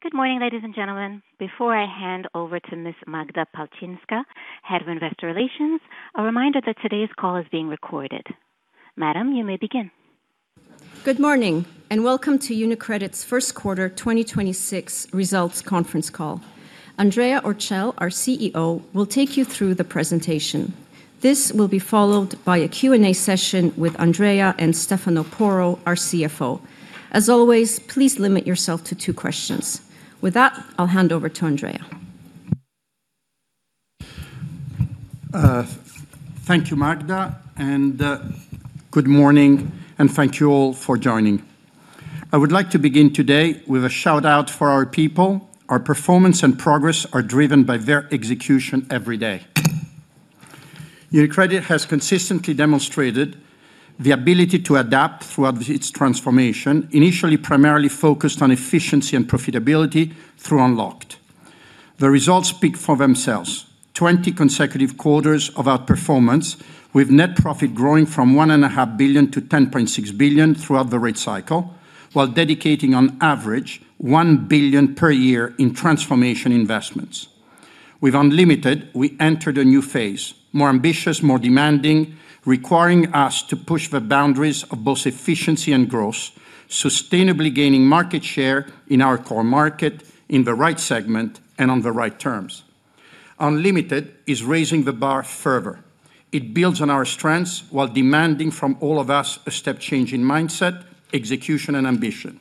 Good morning, ladies and gentlemen. Before I hand over to Ms. Magda Palczynska, Head of Investor Relations, a reminder that today's call is being recorded. Madam, you may begin. Good morning, welcome to UniCredit's First Quarter 2026 Results Conference Call. Andrea Orcel, our CEO, will take you through the presentation. This will be followed by a Q&A session with Andrea and Stefano Porro, our CFO. As always, please limit yourself to two questions. With that, I'll hand over to Andrea. Thank you, Magda, good morning, and thank you all for joining. I would like to begin today with a shout-out for our people. Our performance and progress are driven by their execution every day. UniCredit has consistently demonstrated the ability to adapt throughout its transformation, initially primarily focused on efficiency and profitability through Unlocked. The results speak for themselves: 20 consecutive quarters of outperformance, with net profit growing from 1.5 billion-10.6 billion throughout the rate cycle, while dedicating on average 1 billion per year in transformation investments. With Unlimited, we entered a new phase, more ambitious, more demanding, requiring us to push the boundaries of both efficiency and growth, sustainably gaining market share in our core market, in the right segment, and on the right terms. Unlimited is raising the bar further. It builds on our strengths while demanding from all of us a step change in mindset, execution, and ambition.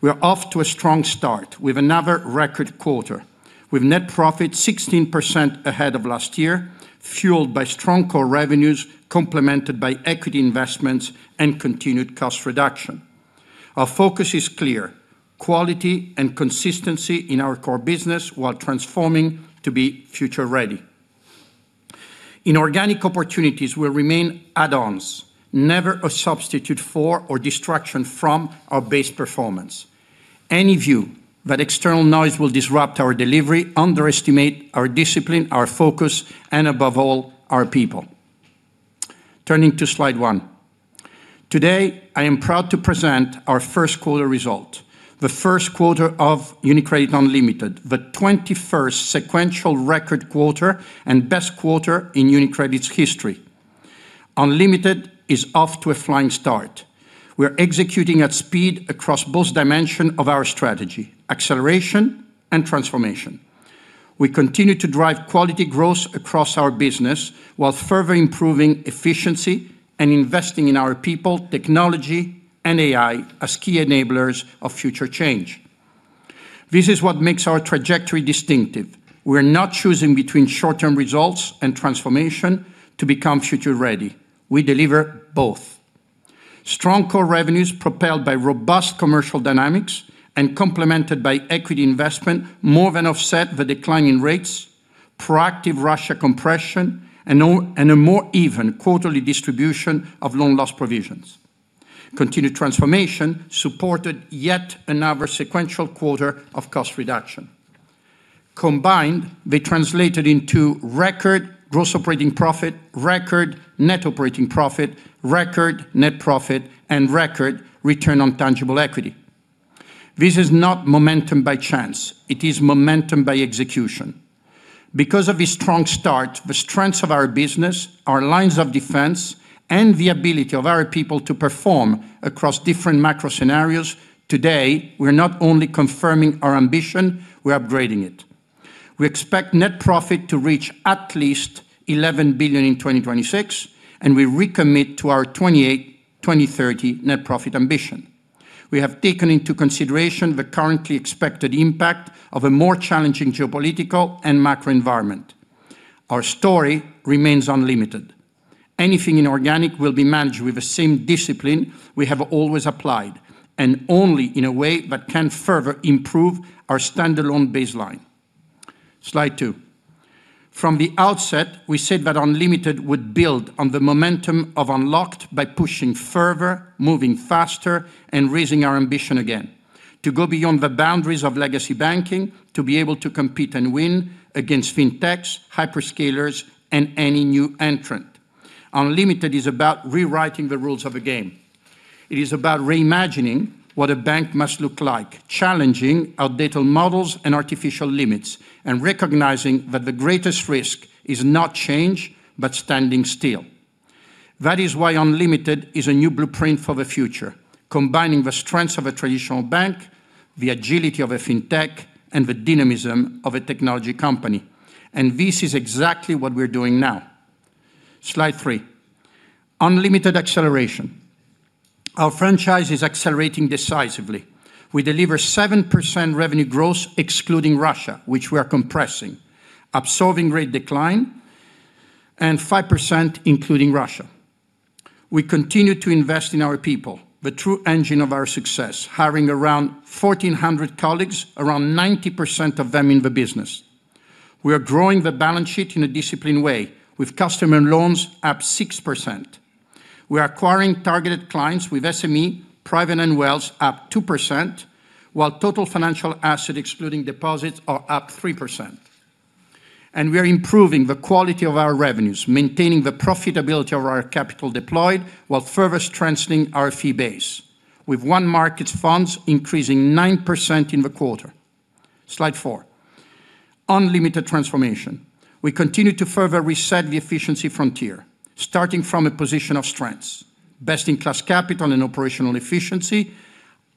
We are off to a strong start with another record quarter, with net profit 16% ahead of last year, fueled by strong core revenues complemented by equity investments and continued cost reduction. Our focus is clear: quality and consistency in our core business while transforming to be future-ready. Inorganic opportunities will remain add-ons, never a substitute for or distraction from our base performance. Any view that external noise will disrupt our delivery underestimate our discipline, our focus, and above all, our people. Turning to slide 1. Today, I am proud to present our first quarter result, the first quarter of UniCredit Unlimited, the 21st sequential record quarter and best quarter in UniCredit's history. Unlimited is off to a flying start. We are executing at speed across both dimensions of our strategy: acceleration and transformation. We continue to drive quality growth across our business while further improving efficiency and investing in our people, technology, and AI as key enablers of future change. This is what makes our trajectory distinctive. We are not choosing between short-term results and transformation to become future-ready. We deliver both. Strong core revenues propelled by robust commercial dynamics and complemented by equity investment more than offset the decline in rates, proactive Russia compression, and a more even quarterly distribution of Loan Loss Provisions. Continued transformation supported yet another sequential quarter of cost reduction. Combined, they translated into record gross operating profit, record net operating profit, record net profit, and record Return on Tangible Equity. This is not Momentum by chance. It is Momentum by execution. Because of the strong start, the strengths of our business, our lines of defense, and the ability of our people to perform across different macro scenarios, today, we are not only confirming our ambition, we are upgrading it. We expect net profit to reach at least 11 billion in 2026. We recommit to our 2028, 2030 net profit ambition. We have taken into consideration the currently expected impact of a more challenging geopolitical and macro environment. Our story remains UniCredit Unlimited. Anything inorganic will be managed with the same discipline we have always applied and only in a way that can further improve our standalone baseline. Slide 2. From the outset, we said that UniCredit Unlimited would build on the momentum of UniCredit Unlocked by pushing further, moving faster, and raising our ambition again to go beyond the boundaries of legacy banking, to be able to compete and win against fintechs, hyperscalers, and any new entrant. UniCredit Unlimited is about rewriting the rules of the game. It is about reimagining what a bank must look like, challenging outdated models and artificial limits, and recognizing that the greatest risk is not change, but standing still. That is why UniCredit Unlimited is a new blueprint for the future, combining the strengths of a traditional bank, the agility of a fintech, and the dynamism of a technology company. This is exactly what we are doing now. Slide 3. UniCredit Unlimited acceleration. Our franchise is accelerating decisively. We deliver 7% revenue growth, excluding Russia, which we are compressing, absorbing rate decline, and 5% including Russia. We continue to invest in our people, the true engine of our success, hiring around 1,400 colleagues, around 90% of them in the business. We are growing the balance sheet in a disciplined way, with customer loans up 6%. We are acquiring targeted clients with SME, private and wealth up 2%, while total financial assets excluding deposits are up 3%. We are improving the quality of our revenues, maintaining the profitability of our capital deployed while further strengthening our fee base. With onemarkets funds increasing 9% in the quarter. Slide 4. Unlimited transformation. We continue to further reset the efficiency frontier, starting from a position of strength. Best in class capital and operational efficiency,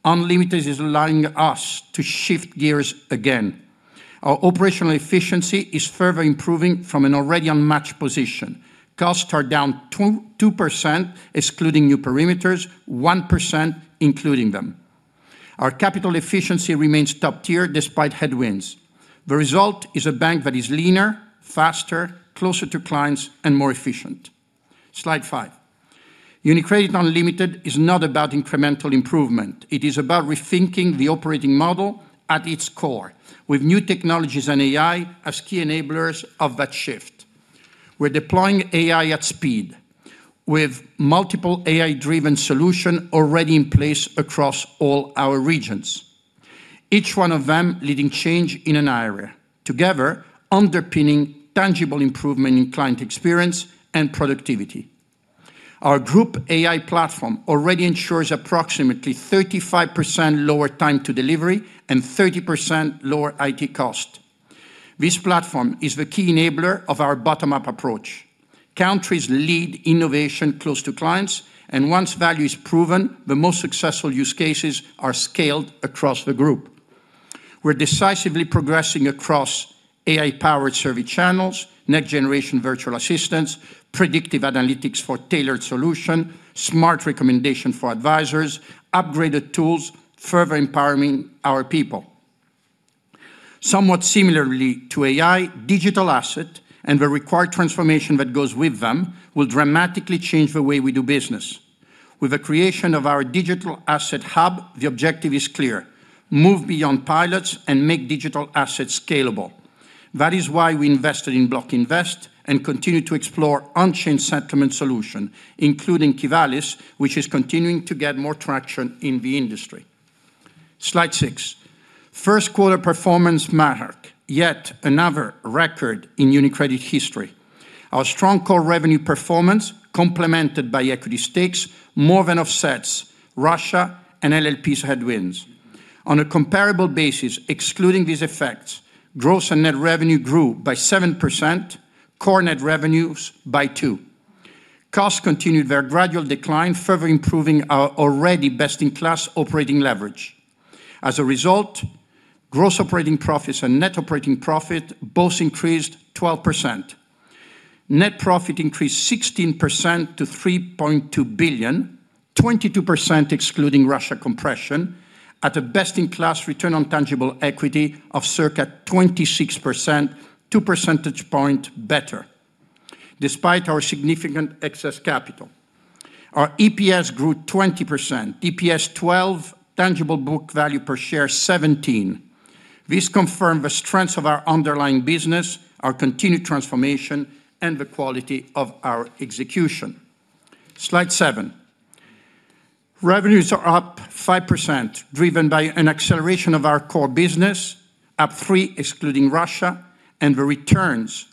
Unlimited is allowing us to shift gears again. Our operational efficiency is further improving from an already unmatched position. Costs are down 2.2%, excluding new perimeters, 1% including them. Our capital efficiency remains top tier despite headwinds. The result is a bank that is leaner, faster, closer to clients, and more efficient. Slide 5. UniCredit Unlimited is not about incremental improvement. It is about rethinking the operating model at its core, with new technologies and AI as key enablers of that shift. We're deploying AI at speed with multiple AI-driven solution already in place across all our regions, each one of them leading change in an area, together underpinning tangible improvement in client experience and productivity. Our Group AI platform already ensures approximately 35% lower time to delivery and 30% lower IT cost. This platform is the key enabler of our bottom-up approach. Countries lead innovation close to clients, and once value is proven, the most successful use cases are scaled across the group. We're decisively progressing across AI-powered service channels, next-generation virtual assistants, predictive analytics for tailored solution, smart recommendation for advisors, upgraded tools, further empowering our people. Somewhat similarly to AI, digital asset and the required transformation that goes with them will dramatically change the way we do business. With the creation of our digital asset hub, the objective is clear: move beyond pilots and make digital assets scalable. That is why we invested in BlockInvest and continue to explore on-chain settlement solution, including Qivalis, which is continuing to get more traction in the industry. Slide 6. First quarter performance mark, yet another record in UniCredit history. Our strong core revenue performance, complemented by equity stakes, more than offsets Russia and LLPs headwinds. On a comparable basis, excluding these effects, gross and net revenue grew by 7%, core net revenues by 2%. Costs continued their gradual decline, further improving our already best-in-class operating leverage. As a result, gross operating profits and net operating profit both increased 12%. Net profit increased 16% to 3.2 billion, 22% excluding Russia compression, at a best-in-class return on tangible equity of circa 26%, 2 percentage point better, despite our significant excess capital. Our EPS grew 20%, EPS 12%, tangible book value per share 17%. This confirm the strength of our underlying business, our continued transformation, and the quality of our execution. Slide 7. Revenues are up 5%, driven by an acceleration of our core business, up 3% excluding Russia, and the returns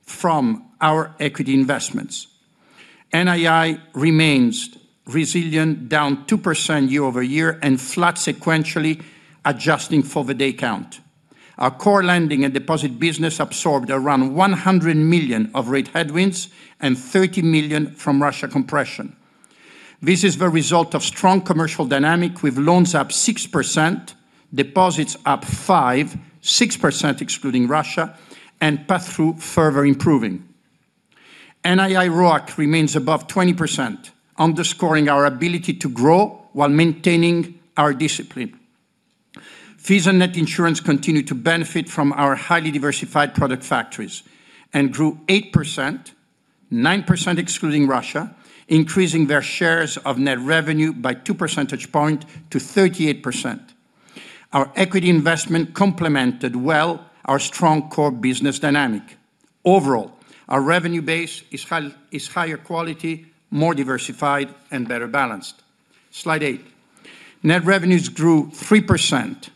from our equity investments. NII remains resilient, down 2% year-over-year and flat sequentially, adjusting for the day count. Our core lending and deposit business absorbed around 100 million of rate headwinds and 30 million from Russia compression. This is the result of strong commercial dynamic with loans up 6%, deposits up 5%, 6% excluding Russia, and pass-through further improving. NII ROIC remains above 20%, underscoring our ability to grow while maintaining our discipline. Fees and net insurance continue to benefit from our highly diversified product factories and grew 8%, 9% excluding Russia, increasing their shares of net revenue by 2 percentage point to 38%. Our equity investment complemented well our strong core business dynamic. Our revenue base is higher quality, more diversified, and better balanced. Slide 8. Net revenues grew 3%,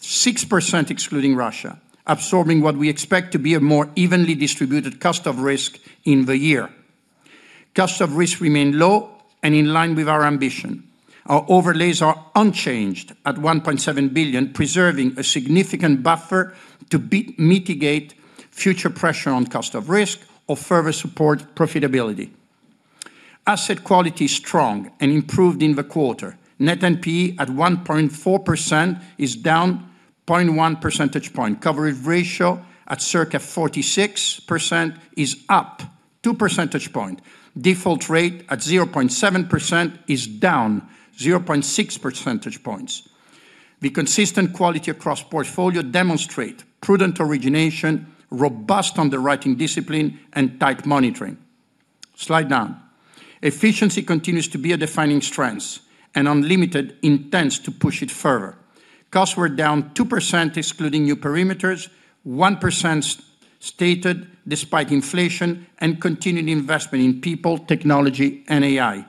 6% excluding Russia, absorbing what we expect to be a more evenly distributed cost of risk in the year. Cost of risk remain low and in line with our ambition. Our overlays are unchanged at 1.7 billion, preserving a significant buffer to mitigate future pressure on cost of risk or further support profitability. Asset quality is strong and improved in the quarter. Net NPE at 1.4% is down 0.1 percentage point. Coverage ratio at circa 46% is up 2 percentage points. Default rate at 0.7% is down 0.6 percentage points. The consistent quality across portfolio demonstrate prudent origination, robust underwriting discipline, and tight monitoring. Slide 9. Efficiency continues to be a defining strength. Unlimited intends to push it further. Costs were down 2% excluding new perimeters, 1% stated despite inflation and continued investment in people, technology, and AI.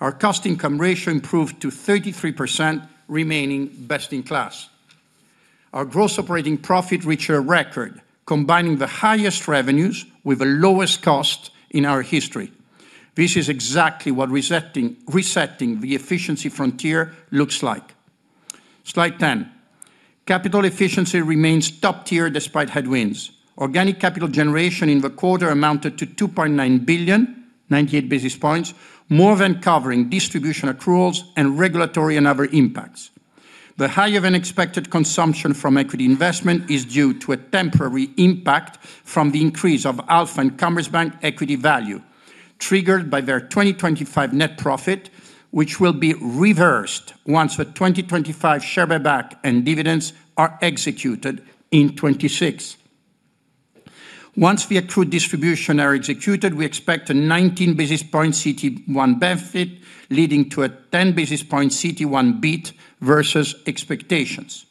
Our cost income ratio improved to 33% remaining best in class. Our gross operating profit reached a record combining the highest revenues with the lowest cost in our history. This is exactly what resetting the efficiency frontier looks like. Slide 10. Capital efficiency remains top tier despite headwinds. Organic capital generation in the quarter amounted to 2.9 billion, 98 basis points, more than covering distribution accruals and regulatory and other impacts. The higher than expected consumption from equity investment is due to a temporary impact from the increase of Alpha Bank and Commerzbank equity value triggered by their 2025 net profit, which will be reversed once the 2025 share buyback and dividends are executed in 2026. Once the accrued distribution are executed, we expect a 19 basis point CET1 benefit, leading to a 10 basis point CET1 beat versus expectations.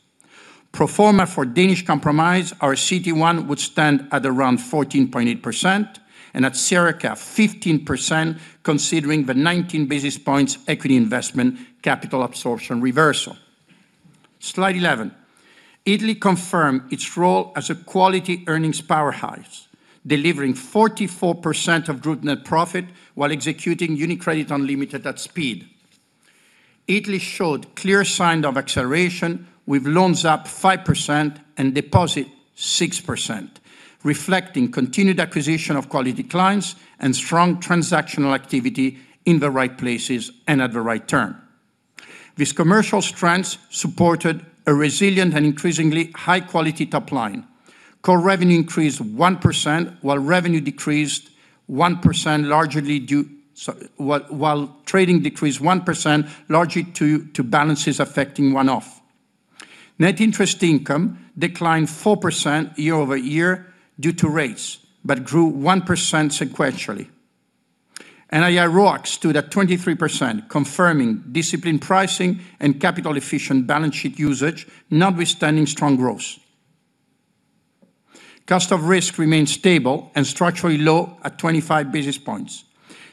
Pro forma for Danish Compromise, our CET1 would stand at around 14.8% and at circa 15% considering the 19 basis points equity investment capital absorption reversal. Slide 11. Italy confirmed its role as a quality earnings powerhouse, delivering 44% of group net profit while executing UniCredit Unlimited at speed. Italy showed clear signs of acceleration with loans up 5% and deposit 6%, reflecting continued acquisition of quality clients and strong transactional activity in the right places and at the right term. These commercial strengths supported a resilient and increasingly high quality top line. Core revenue increased 1%, while revenue decreased 1%. While trading decreased 1%, largely to balances affecting one-off. Net interest income declined 4% year-over-year due to rates, but grew 1% sequentially. NII RoAC stood at 23%, confirming disciplined pricing and capital efficient balance sheet usage notwithstanding strong growth. Cost of risk remains stable and structurally low at 25 basis points.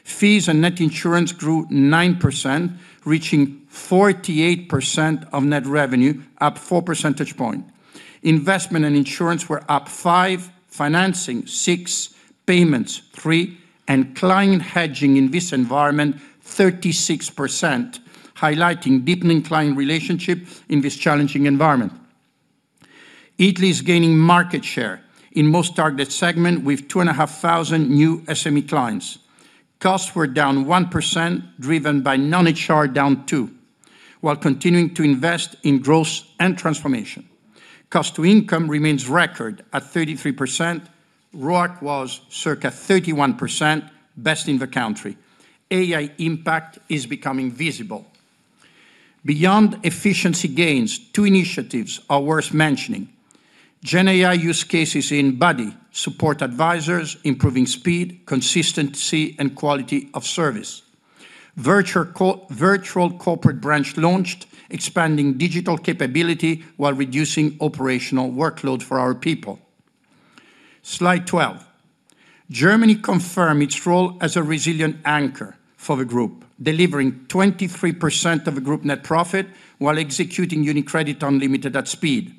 Fees and net insurance grew 9%, reaching 48% of net revenue, up 4 percentage point. Investment and insurance were up 5%, financing 6%, payments 3%, and client hedging in this environment 36%, highlighting deepening client relationship in this challenging environment. Italy is gaining market share in most targeted segment with 2,500 new SME clients. Costs were down 1%, driven by non-HR down 2%, while continuing to invest in growth and transformation. Cost to income remains record at 33%. RoAC was circa 31%, best in the country. AI impact is becoming visible. Beyond efficiency gains, two initiatives are worth mentioning. Gen AI use cases in buddy support advisors, improving speed, consistency and quality of service. Virtual Corporate Branch launched, expanding digital capability while reducing operational workload for our people. Slide 12. Germany confirm its role as a resilient anchor for the group, delivering 23% of the group net profit while executing UniCredit Unlimited at speed.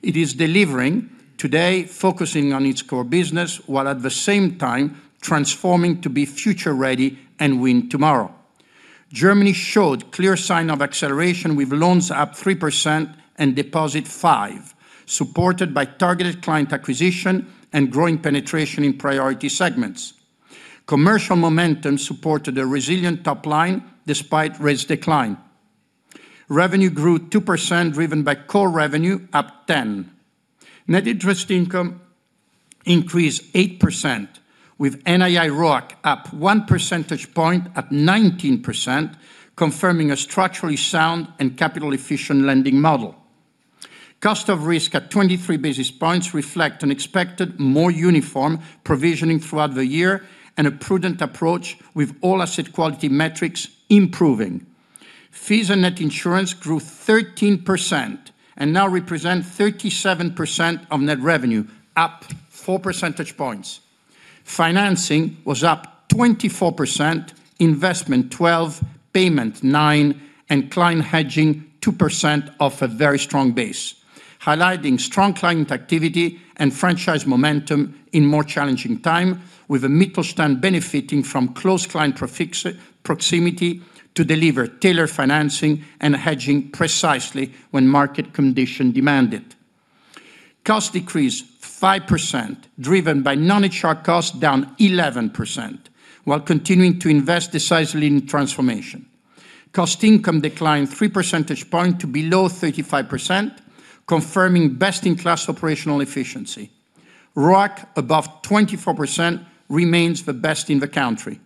It is delivering today focusing on its core business, while at the same time transforming to be future ready and win tomorrow. Germany showed clear sign of acceleration with loans up 3% and deposit 5%, supported by targeted client acquisition and growing penetration in priority segments. Commercial momentum supported a resilient top line despite rates decline. Revenue grew 2% driven by core revenue up 10%. Net interest income increased 8% with NII RoAC up 1 percentage point at 19%, confirming a structurally sound and capital efficient lending model. Cost of risk at 23 basis points reflect an expected more uniform provisioning throughout the year and a prudent approach with all asset quality metrics improving. Fees and net insurance grew 13% and now represent 37% of net revenue, up 4 percentage points. Financing was up 24%, investment 12%, payment 9%, and client hedging 2% off a very strong base, highlighting strong client activity and franchise momentum in more challenging time with a Mittelstand benefiting from close client proximity to deliver tailored financing and hedging precisely when market condition demand it. Cost decreased 5% driven by non-interest cost down 11% while continuing to invest decisively in transformation. Cost income declined 3 percentage points to below 35%, confirming best-in-class operational efficiency. RoAC above 24% remains the best in the country.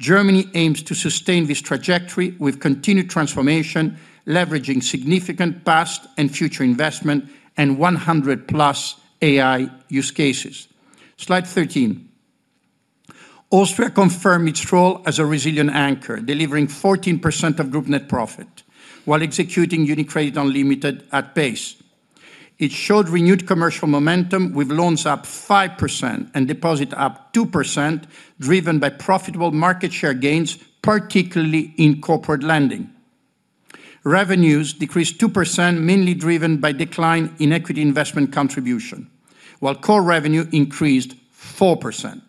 Germany aims to sustain this trajectory with continued transformation, leveraging significant past and future investment and 100+ AI use cases. Slide 13. Austria confirmed its role as a resilient anchor, delivering 14% of group net profit while executing UniCredit Unlimited at pace. It showed renewed commercial momentum with loans up 5% and deposit up 2%, driven by profitable market share gains, particularly in corporate lending. Revenues decreased 2%, mainly driven by decline in equity investment contribution, while core revenue increased 4%.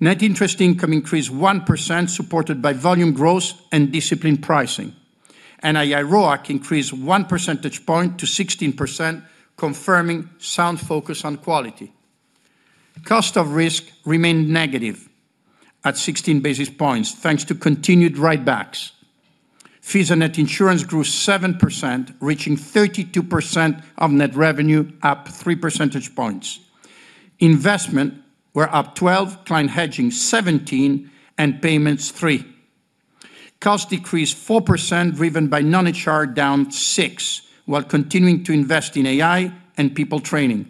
Net interest income increased 1%, supported by volume growth and disciplined pricing. NII RoAC increased 1 percentage point to 16%, confirming sound focus on quality. Cost of risk remained negative at 16 basis points, thanks to continued write-backs. Fees and net insurance grew 7%, reaching 32% of net revenue, up 3 percentage points. Investment were up 12%, client hedging 17%, and payments 3%. Cost decreased 4%, driven by non-HR, down 6%, while continuing to invest in AI and people training.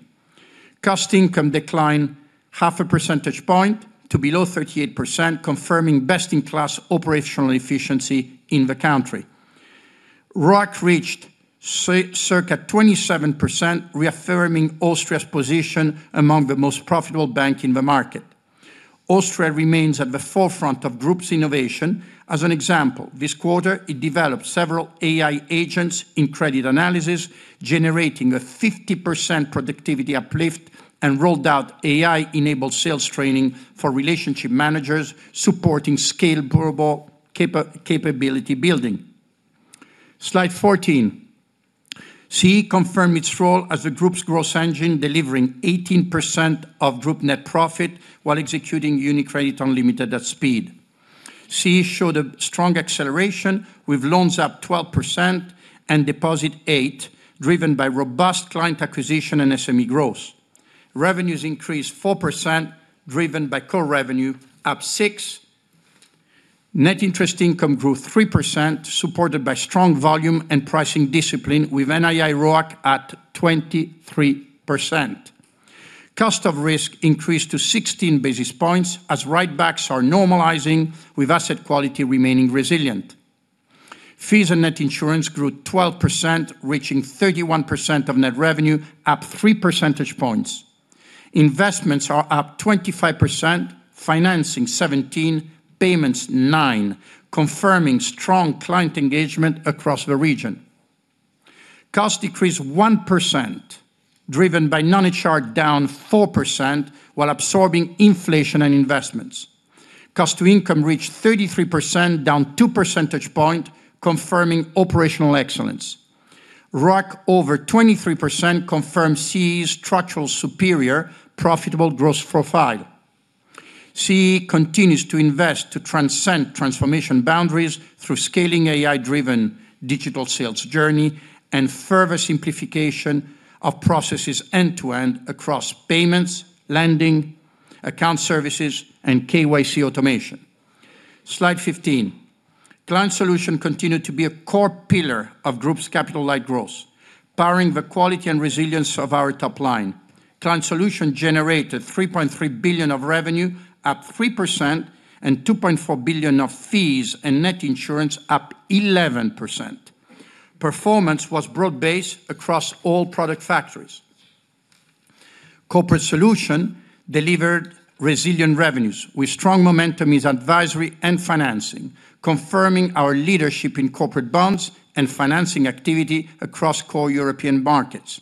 Cost income declined half a percentage point to below 38%, confirming best-in-class operational efficiency in the country. RoAC reached circa 27%, reaffirming Austria's position among the most profitable bank in the market. Austria remains at the forefront of group's innovation. As an example, this quarter, it developed several AI agents in credit analysis, generating a 50% productivity uplift and rolled out AI-enabled sales training for relationship managers, supporting scalable capability building. Slide 14. CE confirmed its role as the group's growth engine, delivering 18% of group net profit while executing UniCredit Unlimited at speed. CE showed a strong acceleration with loans up 12% and deposits 8%, driven by robust client acquisition and SME growth. Revenues increased 4%, driven by core revenue up 6%. Net interest income grew 3%, supported by strong volume and pricing discipline with NII RoAC at 23%. Cost of risk increased to 16 basis points as write-backs are normalizing, with asset quality remaining resilient. Fees and net insurance grew 12%, reaching 31% of net revenue, up 3 percentage points. Investments are up 25%, financing 17%, payments 9%, confirming strong client engagement across the region. Cost decreased 1%, driven by non-interest down 4% while absorbing inflation and investments. Cost to income reached 33%, down 2 percentage points, confirming operational excellence. RoAC over 23% confirms CE's structural superior profitable growth profile. CE continues to invest to transcend transformation boundaries through scaling AI-driven digital sales journey and further simplification of processes end to end across payments, lending, account services, and KYC automation. Slide 15. Client Solutions continued to be a core pillar of Group's capital-light growth, powering the quality and resilience of our top line. Client Solutions generated 3.3 billion of revenue, up 3%, and 2.4 billion of fees and net insurance up 11%. Performance was broad-based across all product factories. Corporate Solutions delivered resilient revenues with strong momentum is advisory and financing, confirming our leadership in corporate bonds and financing activity across core European markets.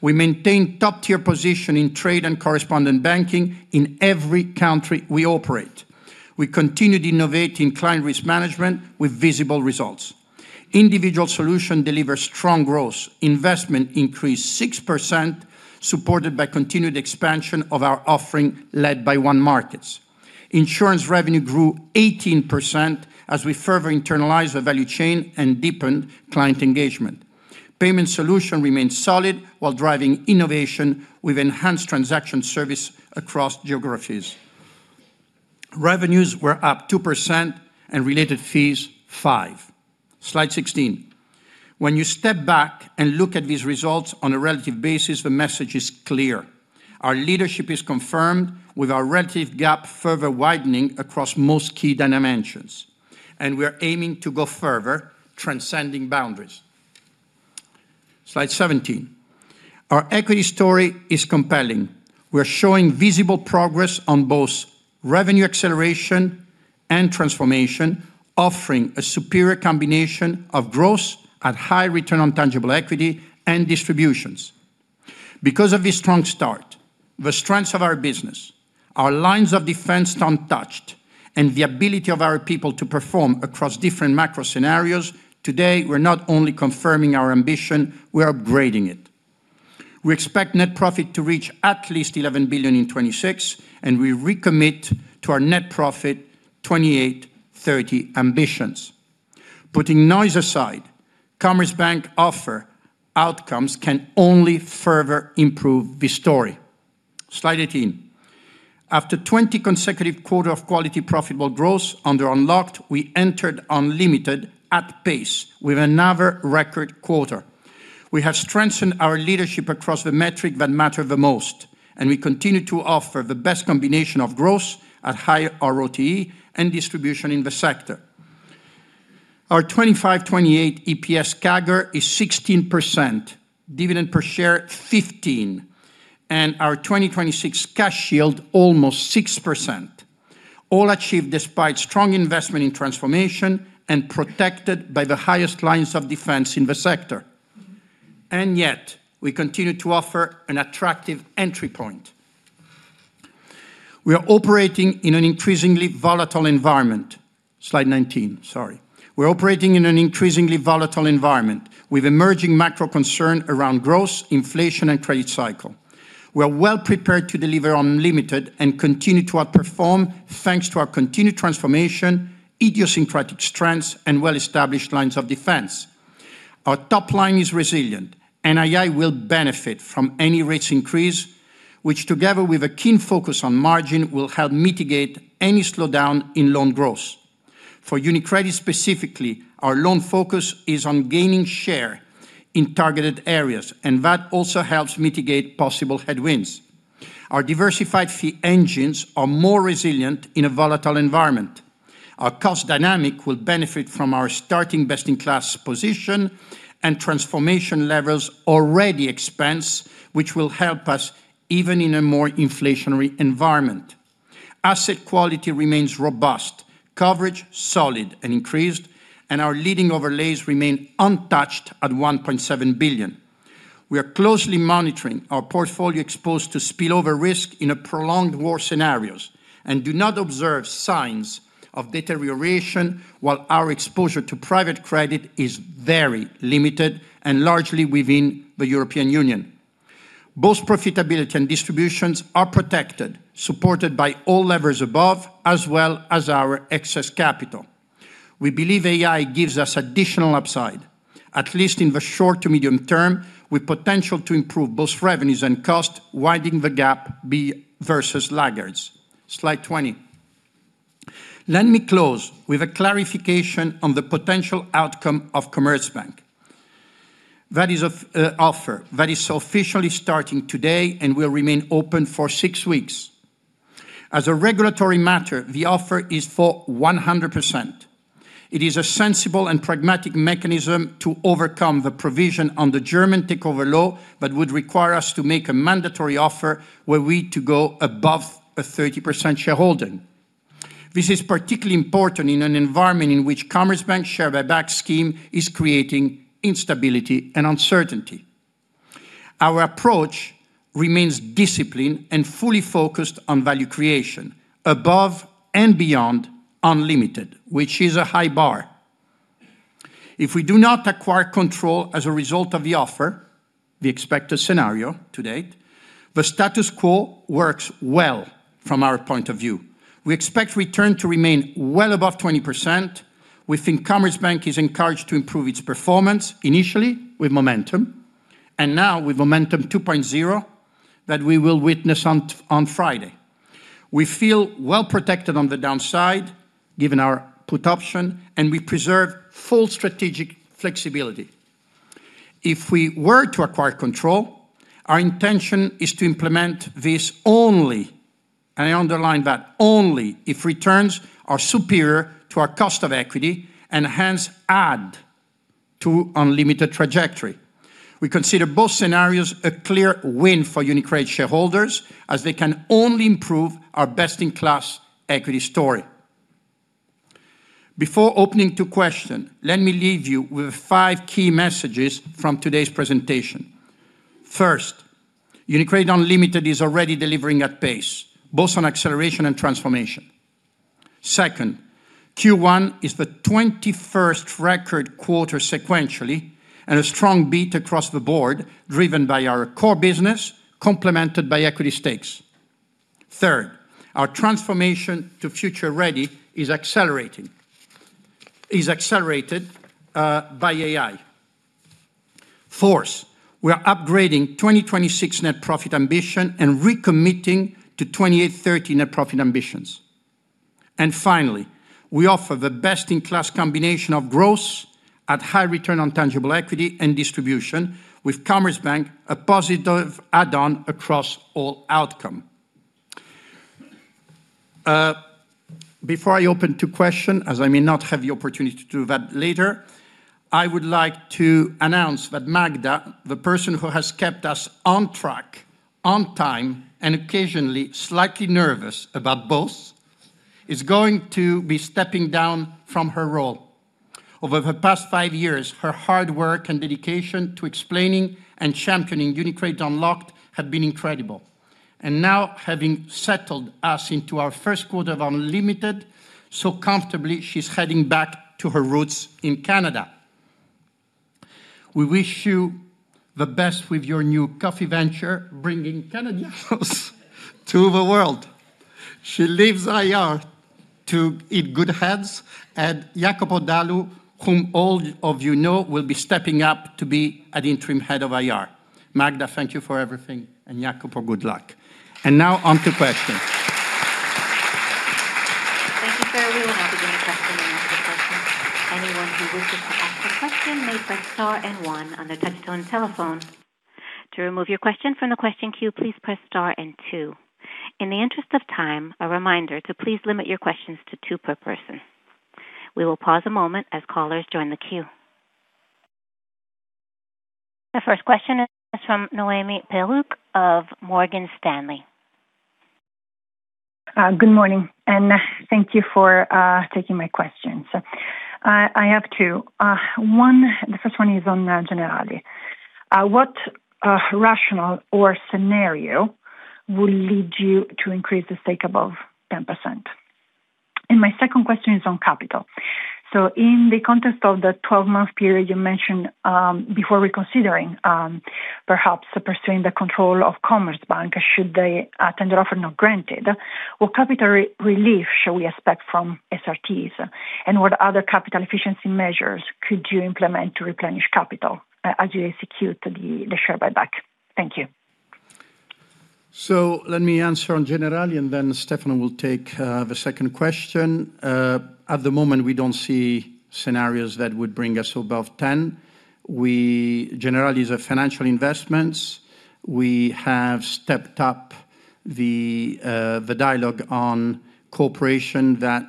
We maintain top-tier position in trade and correspondent banking in every country we operate. We continued innovating client risk management with visible results. Individual Solutions delivers strong growth. Investment increased 6%, supported by continued expansion of our offering, led by onemarkets. Insurance revenue grew 18% as we further internalize the value chain and deepen client engagement. Payment solution remains solid while driving innovation with enhanced transaction service across geographies. Revenues were up 2% and related fees 5. Slide 16. When you step back and look at these results on a relative basis, the message is clear. Our leadership is confirmed with our relative gap further widening across most key dimensions, and we are aiming to go further, transcending boundaries. Slide 17. Our equity story is compelling. We are showing visible progress on both revenue acceleration and transformation, offering a superior combination of growth at high return on tangible equity and distributions. Because of this strong start, the strengths of our business, our lines of defense untouched, and the ability of our people to perform across different macro scenarios, today, we're not only confirming our ambition, we are upgrading it. We expect net profit to reach at least 11 billion in 2026, and we recommit to our net profit 2028, 2030 ambitions. Putting noise aside, Commerzbank offer outcomes can only further improve this story. Slide 18. After 20 consecutive quarter of quality profitable growth under UniCredit Unlocked, we entered UniCredit Unlimited at pace with another record quarter. We have strengthened our leadership across the metric that matter the most, and we continue to offer the best combination of growth at high ROTE and distribution in the sector. Our 2025, 2028 EPS CAGR is 16%, dividend per share 15, and our 2026 cash yield almost 6%. All achieved despite strong investment in transformation and protected by the highest lines of defense in the sector. Yet we continue to offer an attractive entry point. We are operating in an increasingly volatile environment. Slide 19, sorry. We are operating in an increasingly volatile environment with emerging macro concern around growth, inflation, and credit cycle. We are well prepared to deliver Unlimited and continue to outperform, thanks to our continued transformation, idiosyncratic strengths, and well-established lines of defense. Our top line is resilient, and AI will benefit from any rates increase, which together with a keen focus on margin, will help mitigate any slowdown in loan growth. For UniCredit specifically, our loan focus is on gaining share in targeted areas, and that also helps mitigate possible headwinds. Our diversified fee engines are more resilient in a volatile environment. Our cost dynamic will benefit from our starting best-in-class position and transformation levers already expense, which will help us even in a more inflationary environment. Asset quality remains robust, coverage solid and increased, and our leading overlays remain untouched at 1.7 billion. We are closely monitoring our portfolio exposed to spillover risk in a prolonged war scenarios and do not observe signs of deterioration while our exposure to private credit is very limited and largely within the European Union. Both profitability and distributions are protected, supported by all levers above as well as our excess capital. We believe AI gives us additional upside, at least in the short to medium term, with potential to improve both revenues and cost, widening the gap versus laggards. Slide 20. Let me close with a clarification on the potential outcome of Commerzbank. That is of offer that is officially starting today and will remain open for six weeks. As a regulatory matter, the offer is for 100%. It is a sensible and pragmatic mechanism to overcome the provision on the German takeover law that would require us to make a mandatory offer were we to go above a 30% shareholding. This is particularly important in an environment in which Commerzbank share buyback scheme is creating instability and uncertainty. Our approach remains disciplined and fully focused on value creation above and beyond Unlimited, which is a high bar. If we do not acquire control as a result of the offer, the expected scenario to date, the status quo works well from our point of view. We expect return to remain well above 20%. We think Commerzbank is encouraged to improve its performance initially with Momentum and now with Momentum 2.0 that we will witness on Friday. We feel well protected on the downside given our put option, and we preserve full strategic flexibility. If we were to acquire control, our intention is to implement this only, and I underline that only if returns are superior to our cost of equity and hence add to Unlimited trajectory. We consider both scenarios a clear win for UniCredit shareholders as they can only improve our best-in-class equity story. Before opening to questions, let me leave you with five key messages from today's presentation. First, UniCredit Unlimited is already delivering at pace, both on acceleration and transformation. Second, Q1 is the 21st record quarter sequentially and a strong beat across the board driven by our core business, complemented by equity stakes. Third, our transformation to future ready is accelerated by AI. Fourth, we are upgrading 2026 net profit ambition and recommitting to 2030 net profit ambitions. Finally, we offer the best-in-class combination of growth at high return on tangible equity and distribution with Commerzbank, a positive add-on across all outcome. Before I open to question, as I may not have the opportunity to do that later, I would like to announce that Magda, the person who has kept us on track, on time, and occasionally slightly nervous about both, is going to be stepping down from her role. Over her past five years, her hard work and dedication to explaining and championing UniCredit Unlocked have been incredible. Now, having settled us into our first quarter of UniCredit Unlimited so comfortably, she's heading back to her roots in Canada. We wish you the best with your new coffee venture, bringing Canadian roast to the world. She leaves IR to in good hands and Iacopo Dalu, whom all of you know, will be stepping up to be an interim head of IR. Magda, thank you for everything, and Iacopo, good luck. Now on to questions. Thank you, sir. We will now begin the question and answer portion. Anyone who wishes to ask a question may press star and one on their touchtone telephone. To remove your question from the question queue, please press star and two. In the interest of time, a reminder to please limit your questions to two per person. We will pause a moment as callers join the queue. The first question is from Noemi Peruch of Morgan Stanley. Good morning, and thank you for taking my question. I have two. One, the first one is on Generali. What rational or scenario would lead you to increase the stake above 10%? My second question is on capital. In the context of the 12-month period you mentioned, before reconsidering, perhaps pursuing the control of Commerzbank should they, tender offer not granted, what capital re-relief shall we expect from SRTs? What other capital efficiency measures could you implement to replenish capital as you execute the share buyback? Thank you. Let me answer on Generali, and then Stefano will take the second question. At the moment, we don't see scenarios that would bring us above 10%. Generali is a financial investment. We have stepped up the dialogue on cooperation that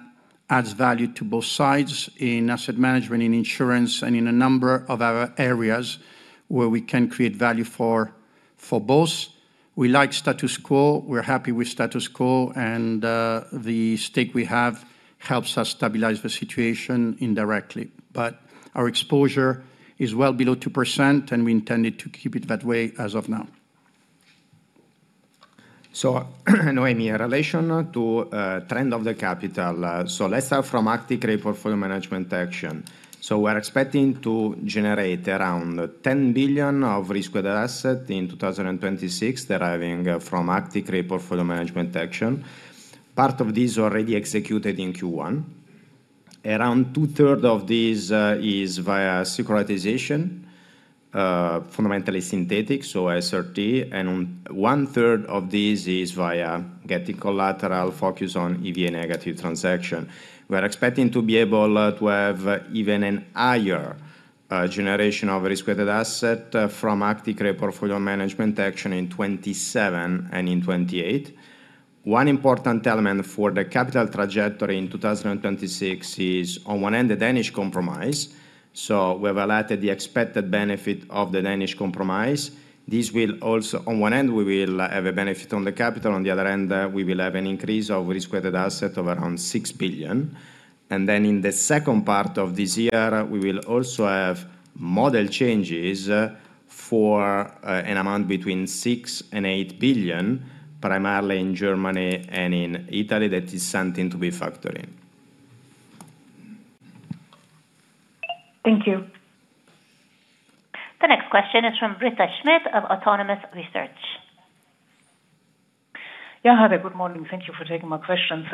adds value to both sides in asset management, in insurance, and in a number of other areas where we can create value for both. We like status quo. We're happy with status quo, and the stake we have helps us stabilize the situation indirectly. Our exposure is well below 2%, and we intended to keep it that way as of now. Noemi, in relation to trend of the capital, let's start from active risk portfolio management action. We're expecting to generate around 10 billion of risk-weighted asset in 2026 deriving from active risk portfolio management action. Part of this already executed in Q1. Around two third of this is via securitization, fundamentally synthetic, SRT, and one third of this is via getting collateral focus on EVA negative transaction. We're expecting to be able to have even an higher generation of risk-weighted asset from active risk portfolio management action in 2027 and in 2028. One important element for the capital trajectory in 2026 is, on one end, the Danish Compromise. We've allotted the expected benefit of the Danish Compromise. On one end, we will have a benefit on the capital. On the other end, we will have an increase of risk-weighted asset of around 6 billion. In the second part of this year, we will also have model changes for an amount between 6 billion and 8 billion, primarily in Germany and in Italy. That is something to be factoring. Thank you. The next question is from Britta Schmidt of Autonomous Research. Yeah, hi there. Good morning. Thank you for taking my questions.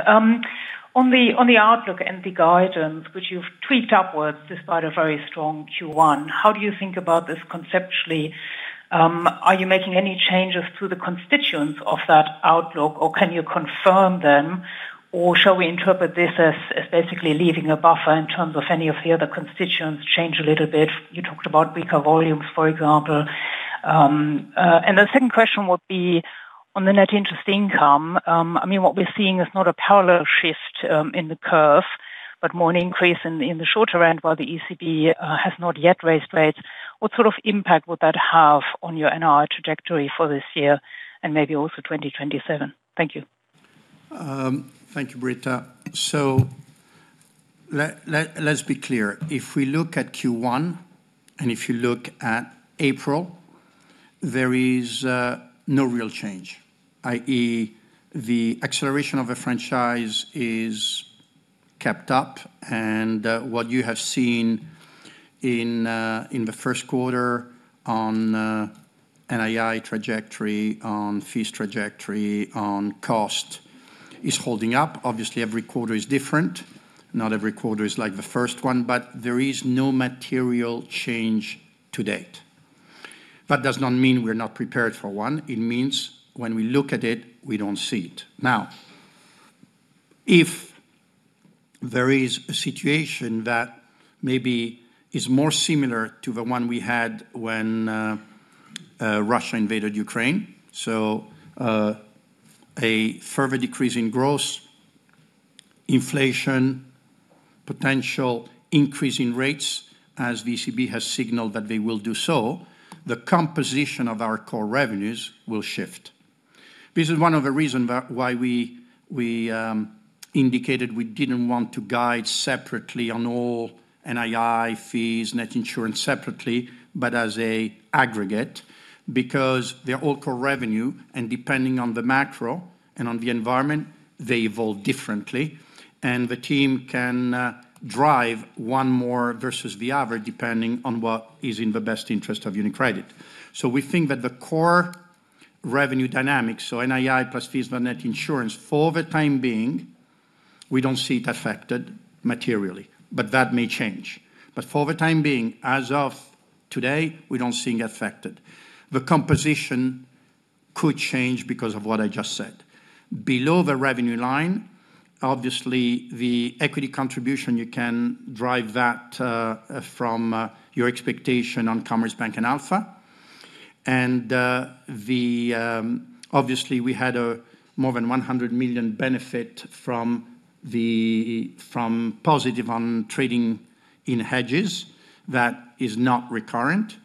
On the outlook and the guidance, which you've tweaked upwards despite a very strong Q1, how do you think about this conceptually? Are you making any changes to the constituents of that outlook, or can you confirm them? Shall we interpret this as basically leaving a buffer in terms of any of the other constituents change a little bit? You talked about weaker volumes, for example. The second question would be on the net interest income. I mean, what we're seeing is not a parallel shift in the curve, but more an increase in the shorter end while the ECB has not yet raised rates. What sort of impact would that have on your NII trajectory for this year and maybe also 2027? Thank you. Thank you, Britta. Let's be clear. If we look at Q1, and if you look at April, there is no real change, i.e., the acceleration of a franchise is kept up, and what you have seen in the first quarter on NII trajectory, on fees trajectory, on cost is holding up. Obviously, every quarter is different. Not every quarter is like the first one, there is no material change to date. That does not mean we're not prepared for one. It means when we look at it, we don't see it. If there is a situation that maybe is more similar to the one we had when Russia invaded Ukraine, a further decrease in growth, inflation, potential increase in rates, as the ECB has signaled that they will do so, the composition of our core revenues will shift. This is one of the reason that why we indicated we didn't want to guide separately on all NII fees, net insurance separately, but as a aggregate, because they're all core revenue, and depending on the macro and on the environment, they evolve differently. The team can drive one more versus the other, depending on what is in the best interest of UniCredit. We think that the core revenue dynamics, NII plus fees net insurance, for the time being, we don't see it affected materially, but that may change. For the time being, as of today, we don't see it affected. The composition could change because of what I just said. Below the revenue line, obviously the equity contribution, you can drive that from your expectation on Commerzbank and Alpha. The Obviously, we had a more than 100 million benefit from positive on trading in hedges that is not recurrent.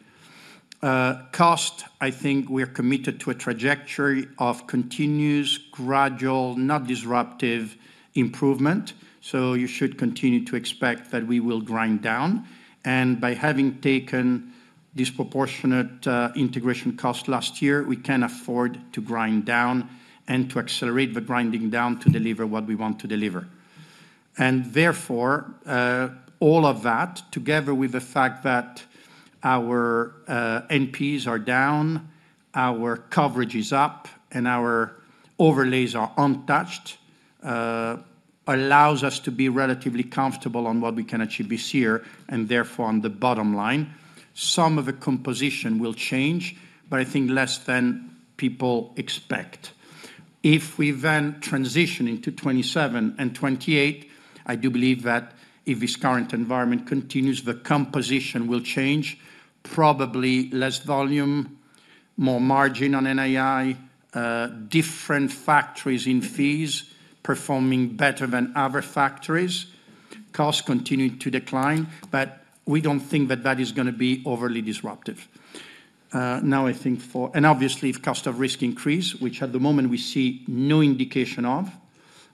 Cost, I think we are committed to a trajectory of continuous, gradual, not disruptive improvement, so you should continue to expect that we will grind down. By having taken disproportionate integration cost last year, we can afford to grind down and to accelerate the grinding down to deliver what we want to deliver. All of that, together with the fact that our NPEs are down, our coverage is up, and our overlays are untouched, allows us to be relatively comfortable on what we can achieve this year and therefore on the bottom line. Some of the composition will change, but I think less than people expect. If we then transition into 2027 and 2028, I do believe that if this current environment continues, the composition will change. Probably less volume, more margin on NII, different factories in fees performing better than other factories, costs continuing to decline, but we don't think that that is gonna be overly disruptive. Now I think obviously, if cost of risk increase, which at the moment we see no indication of,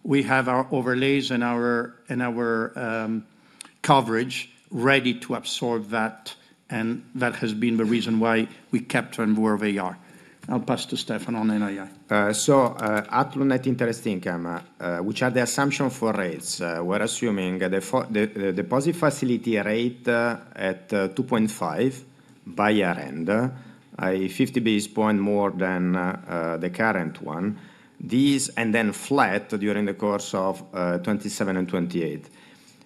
we have our overlays and our coverage ready to absorb that. That has been the reason why we kept on more VAR. I'll pass to Stefano on NII. At net interest income, which are the assumption for rates, we're assuming the deposit facility rate at 2.5% by year-end, a 50 basis points more than the current one. This and then flat during the course of 2027 and 2028.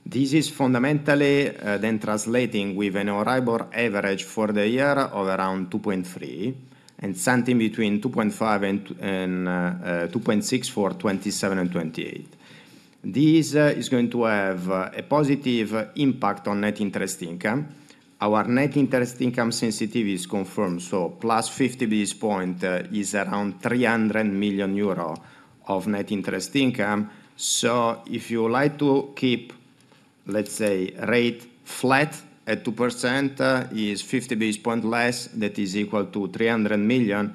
This is fundamentally then translating with an Euribor average for the year of around 2.3% and something between 2.5% and 2.6% for 2027 and 2028. This is going to have a positive impact on net interest income. Our net interest income sensitivity is confirmed, +50 basis points is around 300 million euro of net interest income. If you like to keep, let's say, rate flat at 2%, is 50 basis points less, that is equal to 300 million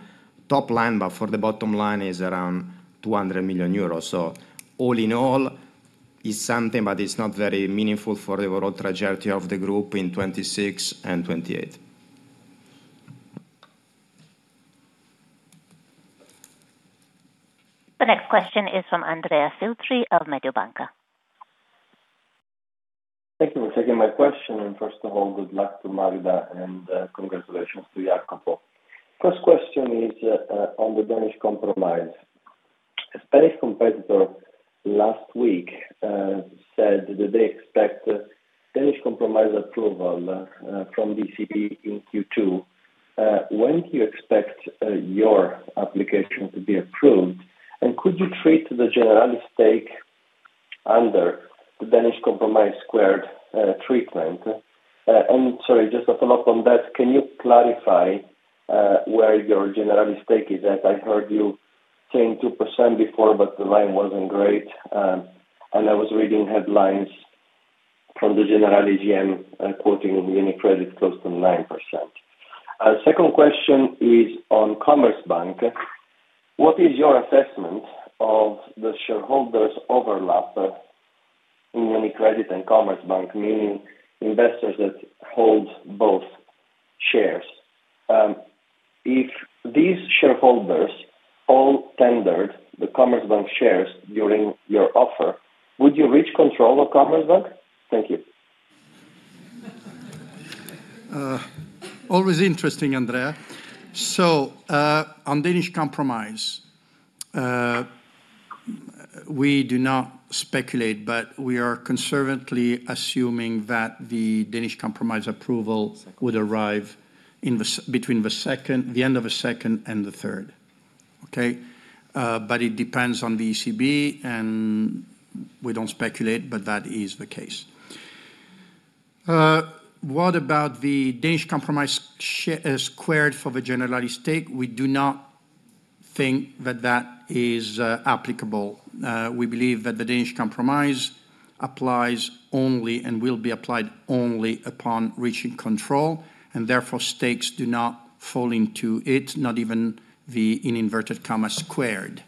top line, but for the bottom line is around 200 million euros. All in all, it's something, but it's not very meaningful for the overall trajectory of the group in 2026 and 2028. The next question is from Andrea Filtri of Mediobanca. Thank you for taking my question. First of all, good luck to Magda, and congratulations to Iacopo. First question is on the Danish Compromise. A Spanish competitor last week said that they expect Danish Compromise approval from ECB in Q2. When do you expect your application to be approved? Could you treat the Generali stake under the Danish Compromise squared treatment? Sorry, just a follow-up on that, can you clarify where your Generali stake is at? I heard you saying 2% before, but the line wasn't great. I was reading headlines from the Generali GM quoting UniCredit close to 9%. Second question is on Commerzbank. What is your assessment of the shareholders overlap in UniCredit and Commerzbank, meaning investors that hold both shares? If these shareholders all tendered the Commerzbank shares during your offer, would you reach control of Commerzbank? Thank you. Always interesting, Andrea. On Danish Compromise, we do not speculate, but we are conservatively assuming that the Danish Compromise approval- Second -would arrive between the second, the end of the second and the third. Okay. It depends on the ECB, and we don't speculate, but that is the case. What about the Danish Compromise squared for the Generali stake? We do not think that that is applicable. We believe that the Danish Compromise applies only and will be applied only upon reaching control, and therefore stakes do not fall into it, not even the, in inverted commas, squared.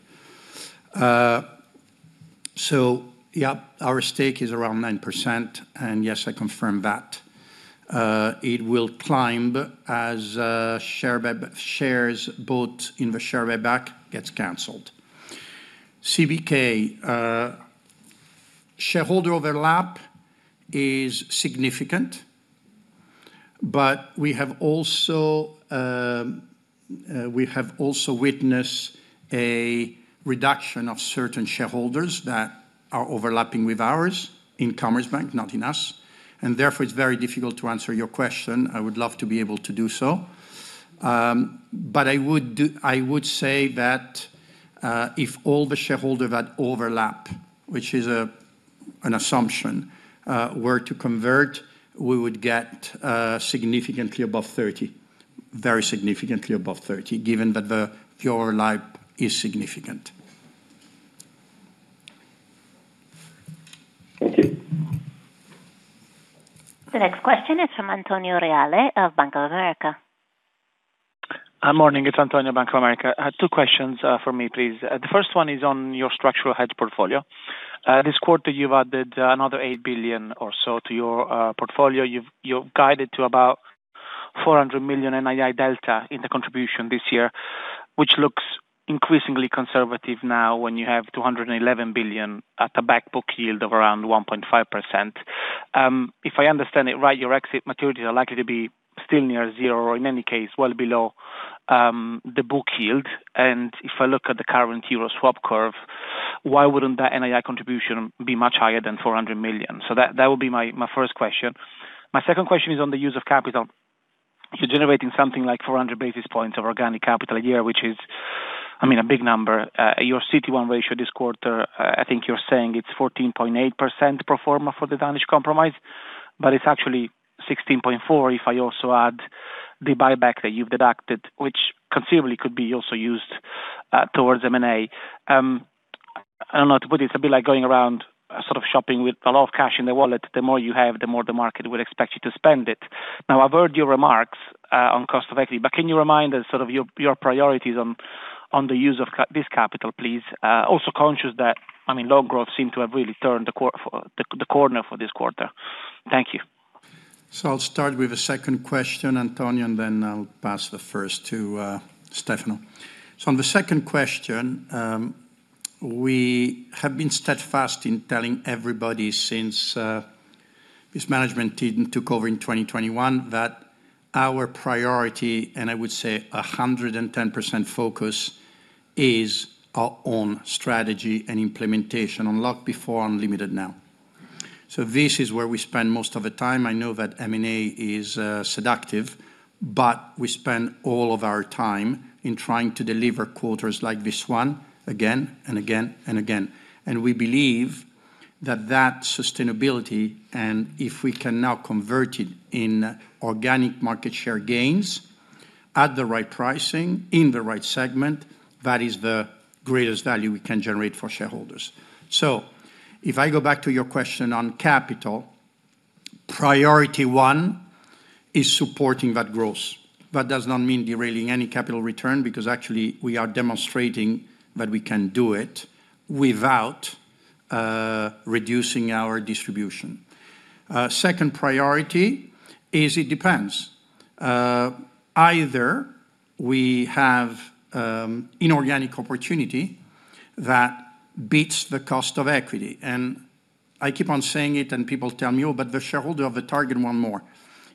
Yeah, our stake is around 9%, and yes, I confirm that. It will climb as shares bought in the share buyback gets canceled. CBK shareholder overlap is significant. We have also witnessed a reduction of certain shareholders that are overlapping with ours in Commerzbank, not in us. Therefore, it's very difficult to answer your question. I would love to be able to do so. I would say that if all the shareholder that overlap, which is an assumption, were to convert, we would get significantly above 30%. Very significantly above 30%, given that the pure LIIP is significant. The next question is from Antonio Reale of Bank of America. Morning, it's Antonio, Bank of America. I had two questions for me, please. The first one is on your structural hedge portfolio. This quarter you've added another 8 billion or so to your portfolio. You've guided to about 400 million NII delta in the contribution this year, which looks increasingly conservative now when you have 211 billion at a back book yield of around 1.5%. If I understand it right, your exit maturities are likely to be still near 0%, or in any case well below the book yield. If I look at the current euro swap curve, why wouldn't that NII contribution be much higher than 400 million? That would be my first question. My second question is on the use of capital. You're generating something like 400 basis points of organic capital a year, which is, I mean, a big number. Your CET1 ratio this quarter, I think you're saying it's 14.8% pro forma for the Danish Compromise, it's actually 16.4% if I also add the buyback that you've deducted, which conceivably could be also used towards M&A. I don't know what to put it's a bit like going around sort of shopping with a lot of cash in the wallet. The more you have, the more the market would expect you to spend it. I've heard your remarks on cost of equity, but can you remind us sort of your priorities on the use of this capital, please? Also conscious that, I mean, low growth seem to have really turned the corner for this quarter. Thank you. I'll start with the second question, Antonio, and then I'll pass the first to Stefano. On the second question, we have been steadfast in telling everybody since this management team took over in 2021 that our priority, and I would say a 110% focus, is on strategy and implementation, UniCredit Unlocked before, UniCredit Unlimited now. This is where we spend most of the time. I know that M&A is seductive, but we spend all of our time in trying to deliver quarters like this one again and again and again. We believe that that sustainability, and if we can now convert it in organic market share gains at the right pricing in the right segment, that is the greatest value we can generate for shareholders. If I go back to your question on capital, priority 1 is supporting that growth. That does not mean derailing any capital return, because actually we are demonstrating that we can do it without reducing our distribution. Second priority is it depends. Either we have inorganic opportunity that beats the cost of equity. I keep on saying it, people tell me, "The shareholder of the target want more."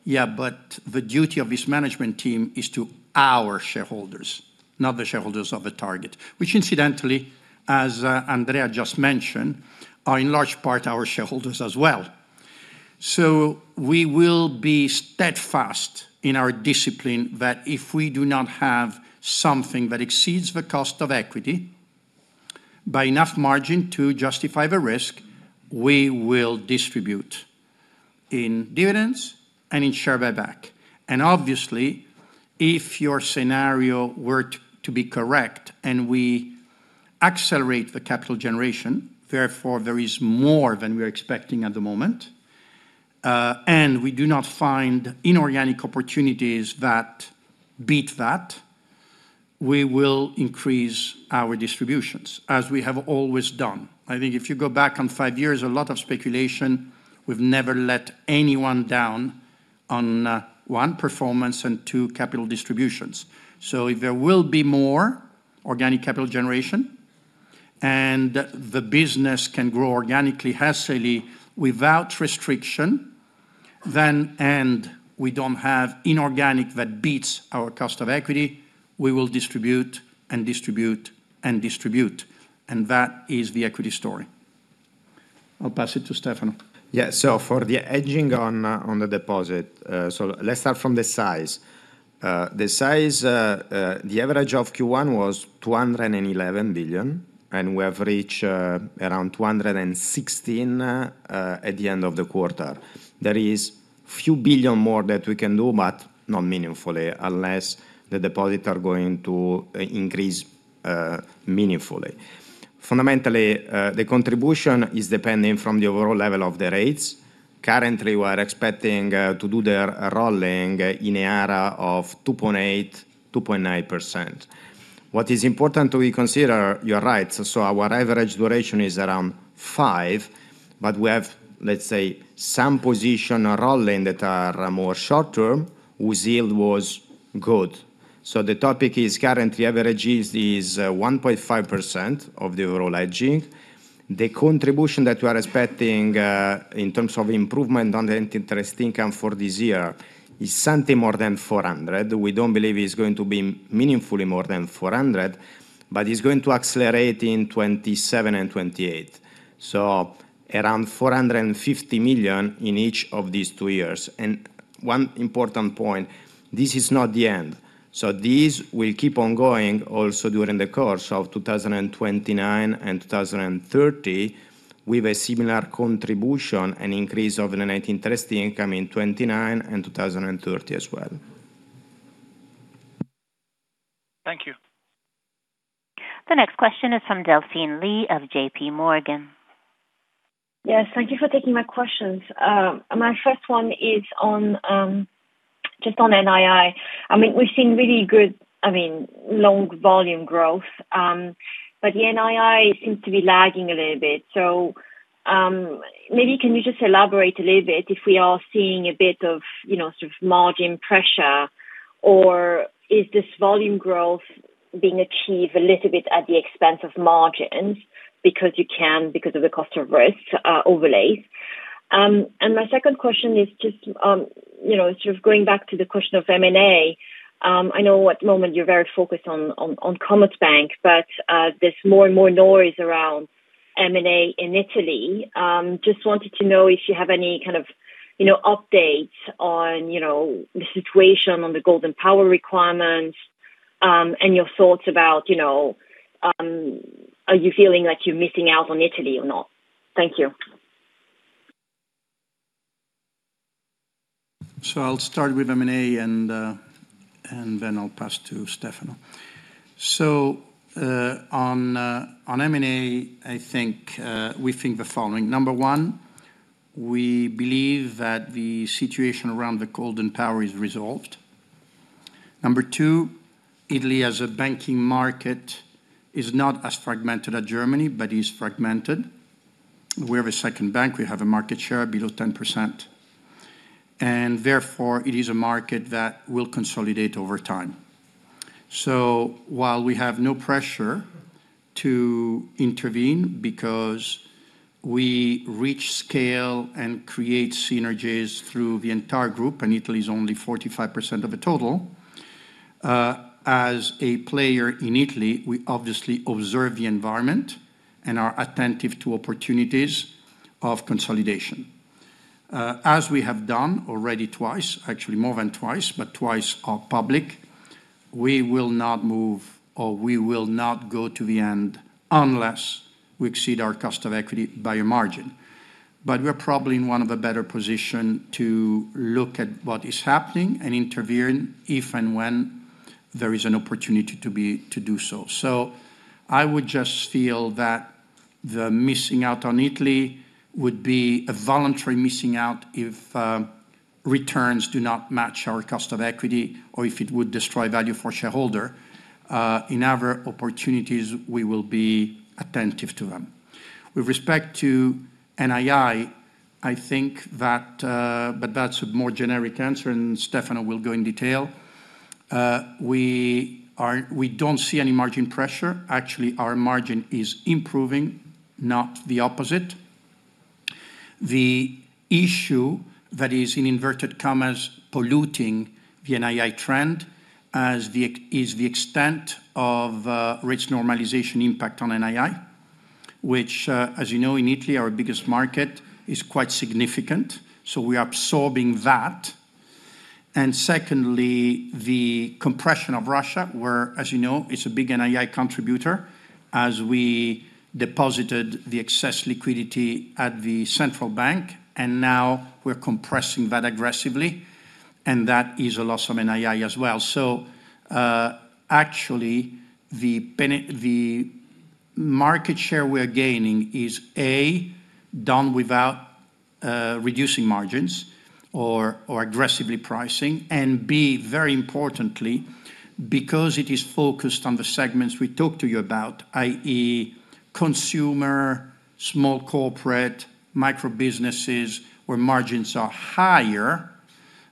The duty of this management team is to our shareholders, not the shareholders of the target. Which incidentally, as Andrea just mentioned, are in large part our shareholders as well. We will be steadfast in our discipline that if we do not have something that exceeds the cost of equity by enough margin to justify the risk, we will distribute in dividends and in share buyback. Obviously, if your scenario were to be correct and we accelerate the capital generation, therefore there is more than we are expecting at the moment, and we do not find inorganic opportunities that beat that, we will increase our distributions, as we have always done. I think if you go back on five years, a lot of speculation, we've never let anyone down on, one, performance, and two, capital distributions. If there will be more organic capital generation and the business can grow organically, hastily, without restriction, then, and we don't have inorganic that beats our cost of equity, we will distribute and distribute and distribute. That is the equity story. I'll pass it to Stefano. For the hedging on the deposit, let's start from the size. The size, the average of Q1 was 211 billion, and we have reached around 216 at the end of the quarter. There is few billion more that we can do, but not meaningfully, unless the deposit are going to increase meaningfully. Fundamentally, the contribution is depending from the overall level of the rates. Currently, we are expecting to do the rolling in a era of 2.8%, 2.9%. What is important to consider, you're right, our average duration is around five, but we have, let's say, some position are rolling that are more short-term whose yield was good. The topic is currently average is 1.5% of the overall hedging. The contribution that we are expecting in terms of improvement on the net interest income for this year is something more than 400. We don't believe it's going to be meaningfully more than 400, but it's going to accelerate in 2027 and 2028. Around 450 million in each of these two years. One important point, this is not the end. This will keep on going also during the course of 2029 and 2030 with a similar contribution and increase of the net interest income in 2029 and 2030 as well. Thank you. The next question is from Delphine Lee of JPMorgan. Yes, thank you for taking my questions. My first one is on NII. I mean, we've seen really good, I mean, long volume growth, the NII seems to be lagging a little bit. Maybe can you just elaborate a little bit if we are seeing a bit of, you know, sort of margin pressure? Is this volume growth being achieved a little bit at the expense of margins because you can, because of the cost of risk overlays? My second question is just, you know, sort of going back to the question of M&A. I know at the moment you're very focused on Commerzbank, there's more and more noise around M&A in Italy. Just wanted to know if you have any kind of, you know, updates on the situation on the Golden Power requirements, and your thoughts about, you know, are you feeling like you're missing out on Italy or not? Thank you. I'll start with M&A and then I'll pass to Stefano. On M&A, I think we think the following. Number 1, we believe that the situation around the Golden Power is resolved. Number 2, Italy as a banking market is not as fragmented as Germany, but is fragmented. We have a second bank, we have a market share below 10%, and therefore it is a market that will consolidate over time. While we have no pressure to intervene because we reach scale and create synergies through the entire group, and Italy is only 45% of the total, as a player in Italy, we obviously observe the environment and are attentive to opportunities of consolidation. As we have done already twice, actually more than twice, but twice are public, we will not move or we will not go to the end unless we exceed our cost of equity by a margin. We're probably in one of a better position to look at what is happening and intervene if and when there is an opportunity to do so. I would just feel that the missing out on Italy would be a voluntary missing out if returns do not match our cost of equity or if it would destroy value for shareholder. In other opportunities, we will be attentive to them. With respect to NII, I think that, but that's a more generic answer, and Stefano will go in detail. We don't see any margin pressure. Actually, our margin is improving, not the opposite. The issue that is, in inverted commas, polluting the NII trend as the extent of rates normalization impact on NII, which, as you know, in Italy, our biggest market, is quite significant, so we are absorbing that. Secondly, the compression of Russia, where, as you know, it's a big NII contributor as we deposited the excess liquidity at the central bank, and now we're compressing that aggressively, and that is a loss of NII as well. Actually, the market share we are gaining is, A, done without reducing margins or aggressively pricing, and, B, very importantly, because it is focused on the segments we talked to you about, i.e., consumer, small corporate, micro-businesses, where margins are higher.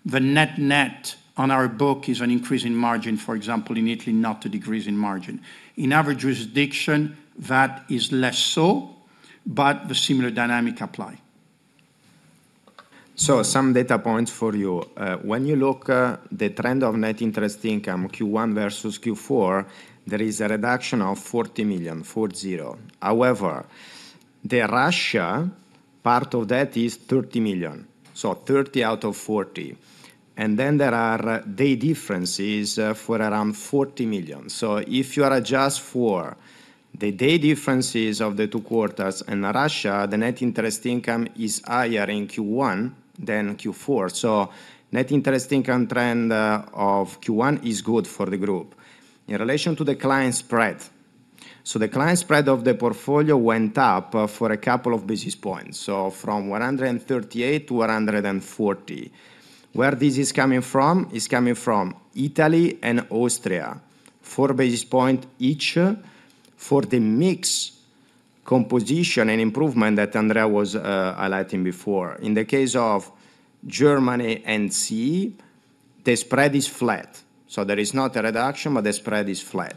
The net-net on our book is an increase in margin, for example, in Italy, not a decrease in margin. In other jurisdiction, that is less so, but the similar dynamic apply. Some data points for you. When you look, the trend of net interest income, Q1 versus Q4, there is a reduction of 40 million, 40 million. However, the Russia part of that is 30 million, so 30 million out of 40 million. Then there are day differences, for around 40 million. If you adjust for the day differences of the two quarters in Russia, the net interest income is higher in Q1 than Q4. Net interest income trend of Q1 is good for the group. In relation to the client spread, so the client spread of the portfolio went up for a couple of basis points, so from 138 basis points-140 basis points. Where this is coming from? It's coming from Italy and Austria, 4 basis points each for the mix composition and improvement that Andrea was highlighting before. In the case of Germany and C The spread is flat, there is not a reduction, but the spread is flat.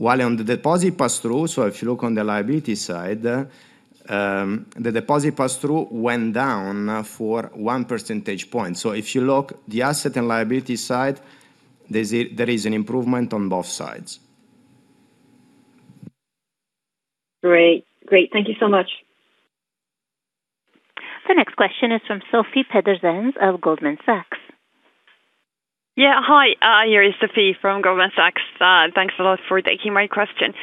On the deposit pass-through, if you look on the liability side, the deposit pass-through went down for 1 percentage point. If you look the asset and liability side, there is an improvement on both sides. Great. Great. Thank you so much. The next question is from Sofie Peterzens of Goldman Sachs. Yeah. Hi. Here is Sofie from Goldman Sachs. Thanks a lot for taking my question.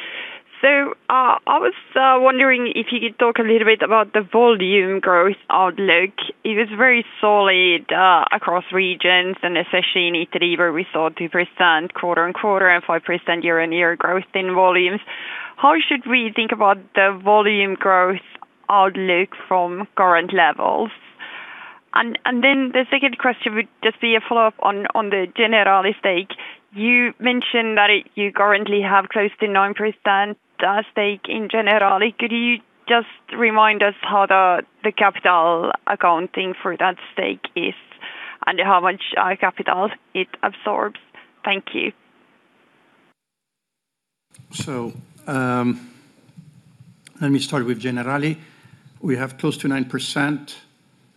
I was wondering if you could talk a little bit about the volume growth outlook. It was very solid across regions, and especially in Italy, where we saw 2% quarter-on-quarter and 5% year-on-year growth in volumes. How should we think about the volume growth outlook from current levels? The second question would just be a follow-up on the Generali stake. You mentioned that you currently have close to 9% stake in Generali. Could you just remind us how the capital accounting for that stake is, and how much capital it absorbs? Thank you. Let me start with Generali. We have close to 9%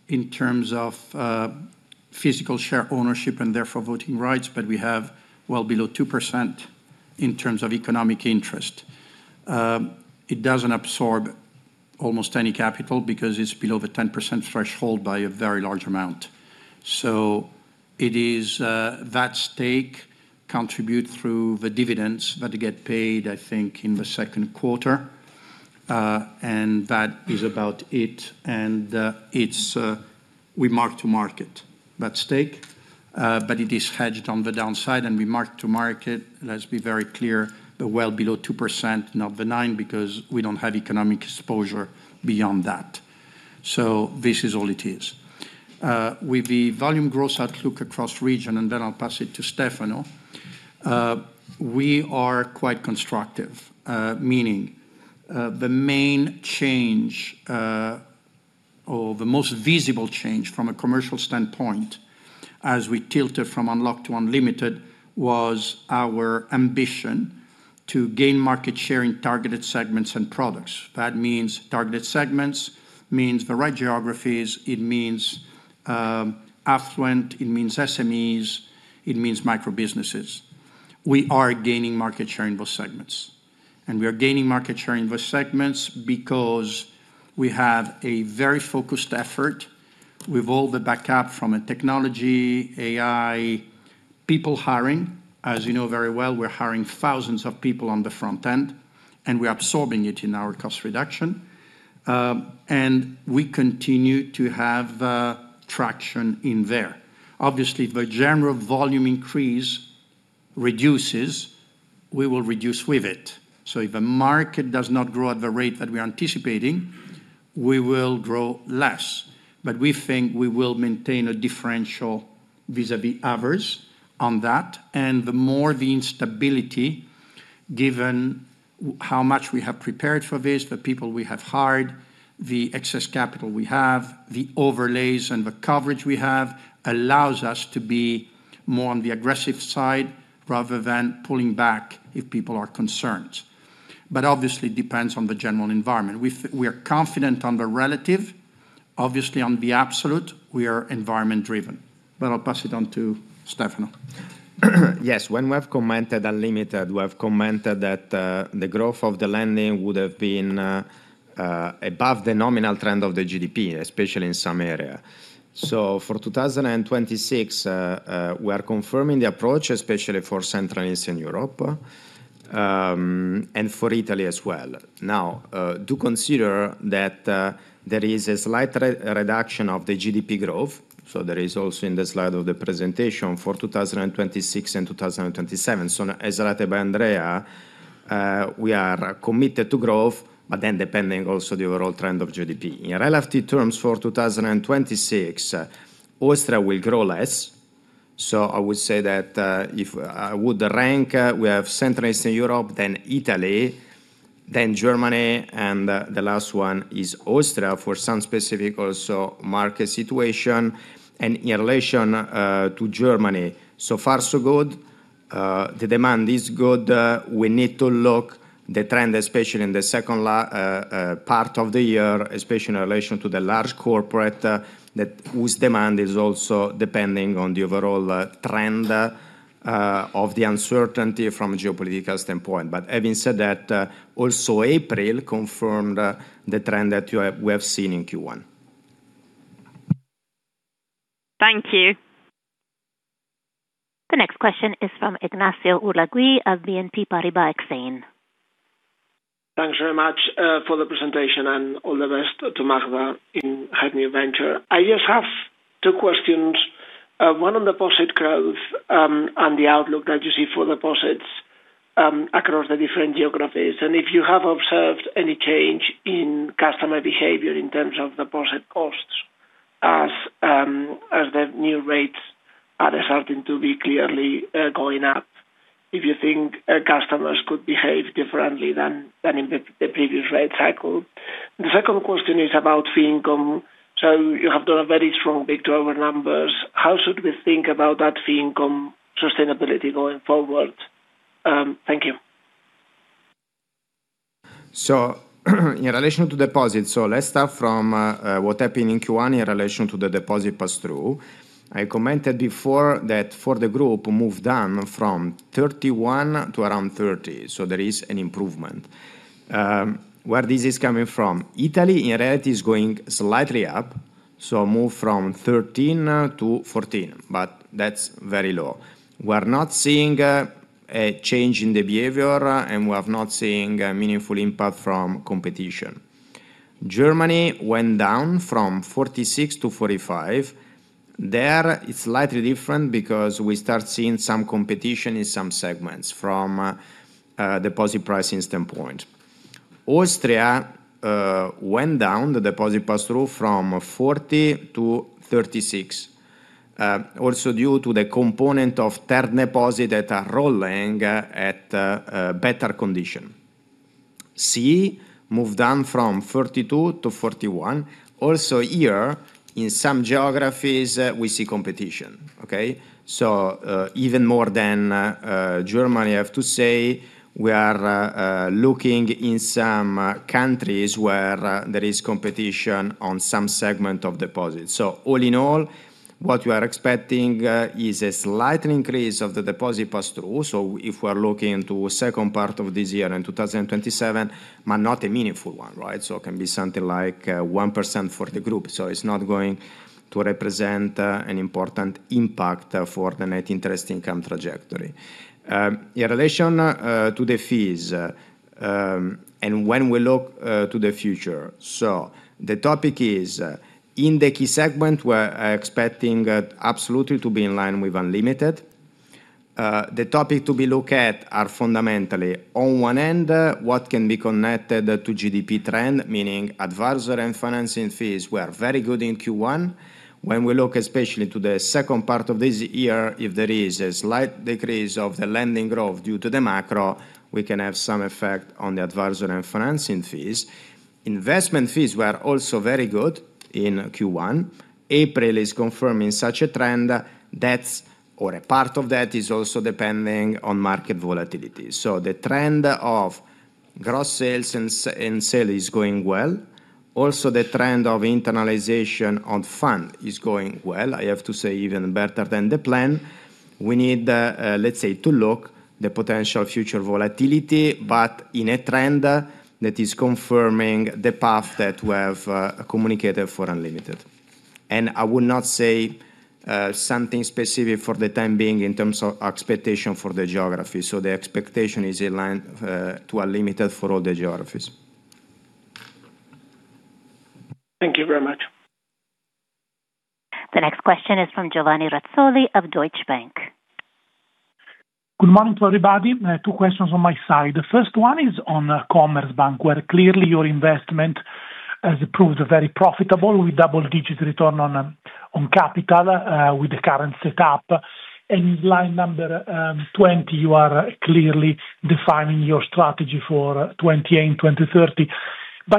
in terms of physical share ownership, and therefore voting rights, but we have well below 2% in terms of economic interest. It doesn't absorb almost any capital because it's below the 10% threshold by a very large amount. It is that stake contribute through the dividends that get paid, I think, in the 2nd quarter, and that is about it. It's we mark to market that stake, but it is hedged on the downside and we mark to market, let's be very clear, the well below 2%, not the 9%, because we don't have economic exposure beyond that. This is all it is. With the volume growth outlook across region, and then I'll pass it to Stefano, we are quite constructive. Meaning, the main change, or the most visible change from a commercial standpoint as we tilted from UniCredit Unlocked to UniCredit Unlimited, was our ambition to gain market share in targeted segments and products. That means targeted segments, means the right geographies, it means affluent, it means SMEs, it means micro-businesses. We are gaining market share in those segments, and we are gaining market share in those segments because we have a very focused effort with all the backup from a technology, AI, people hiring. As you know very well, we're hiring thousands of people on the front end, and we're absorbing it in our cost reduction. We continue to have traction in there. Obviously, if the general volume increase reduces, we will reduce with it. If the market does not grow at the rate that we are anticipating, we will grow less. We think we will maintain a differential vis-à-vis others on that. The more the instability, given how much we have prepared for this, the people we have hired, the excess capital we have, the overlays and the coverage we have, allows us to be more on the aggressive side rather than pulling back if people are concerned. Obviously it depends on the general environment. We are confident on the relative. Obviously, on the absolute, we are environment-driven. I'll pass it on to Stefano. Yes. When we have commented UniCredit Unlimited, we have commented that the growth of the lending would have been above the nominal trend of the GDP, especially in some area. For 2026, we are confirming the approach, especially for Central and Eastern Europe, and for Italy as well. Now, do consider that there is a slight re-reduction of the GDP growth. There is also in the slide of the presentation for 2026 and 2027. As related by Andrea, we are committed to growth, but then depending also the overall trend of GDP. In relative terms for 2026, Austria will grow less. I would say that, if I would rank, we have Central Eastern Europe, then Italy, then Germany, and the last one is Austria for some specific also market situation. In relation to Germany, so far so good. The demand is good. We need to look the trend, especially in the second part of the year, especially in relation to the large corporate, whose demand is also depending on the overall trend of the uncertainty from a geopolitical standpoint. Having said that, also April confirmed the trend that you have, we have seen in Q1. Thank you. The next question is from Ignacio Ulargui of BNP Paribas Exane. Thanks very much for the presentation and all the best to Magda in her new venture. I just have two questions. One on deposit growth, and the outlook that you see for deposits across the different geographies, and if you have observed any change in customer behavior in terms of deposit costs as the new rates are starting to be clearly going up. If you think customers could behave differently than in the previous rate cycle. The second question is about fee income. You have done a very strong big driver numbers. How should we think about that fee income sustainability going forward? Thank you. In relation to deposits, let's start from what happened in Q1 in relation to the deposit pass-through. I commented before that for the group moved down from 31% to around 30%, there is an improvement. Where this is coming from, Italy in reality is going slightly up, move from 13%-14%, but that's very low. We're not seeing a change in the behavior, and we're not seeing a meaningful impact from competition. Germany went down from 46%-45%. There it's slightly different because we start seeing some competition in some segments from a deposit pricing standpoint. Austria went down the deposit pass-through from 40%-36%, also due to the component of term deposit that are rolling at a better condition. CEE moved down from 32%-31%. Also here in some geographies, we see competition. Okay? Even more than Germany, I have to say we are looking in some countries where there is competition on some segment of deposits. All in all, what we are expecting is a slight increase of the deposit pass-through, if we're looking to second part of this year in 2027, but not a meaningful one, right? It can be something like 1% for the group. It's not going to represent an important impact for the net interest income trajectory. In relation to the fees, and when we look to the future. The topic is in the key segment, we're expecting absolutely to be in line with UniCredit Unlimited. The topic to be looked at are fundamentally on one end, what can be connected to GDP trend, meaning advisory and financing fees were very good in Q1. We look especially to the second part of this year, if there is a slight decrease of the lending growth due to the macro, we can have some effect on the advisory and financing fees. Investment fees were also very good in Q1. April is confirming such a trend. That's or a part of that is also depending on market volatility. The trend of gross sales and sale is going well. The trend of internalization on fund is going well, I have to say even better than the plan. We need, let's say, to look the potential future volatility, but in a trend that is confirming the path that we have communicated for Unlimited. I would not say, something specific for the time being in terms of expectation for the geography. The expectation is in line, to UniCredit Unlimited for all the geographies. Thank you very much. The next question is from Giovanni Razzoli of Deutsche Bank. Good morning to everybody. I have two questions on my side. The first one is on Commerzbank, where clearly your investment has proved very profitable with double-digit return on capital with the current setup. In line number 20, you are clearly defining your strategy for 2028, 2030.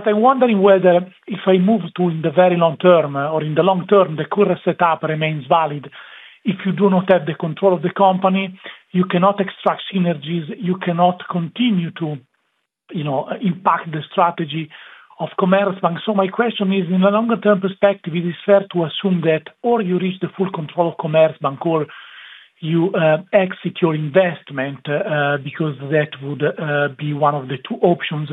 I'm wondering whether if I move to in the very long term or in the long term, the current setup remains valid. If you do not have the control of the company, you cannot extract synergies, you cannot continue to, you know, impact the strategy of Commerzbank. My question is, in a longer term perspective, it is fair to assume that or you reach the full control of Commerzbank, or you exit your investment, because that would be one of the two options.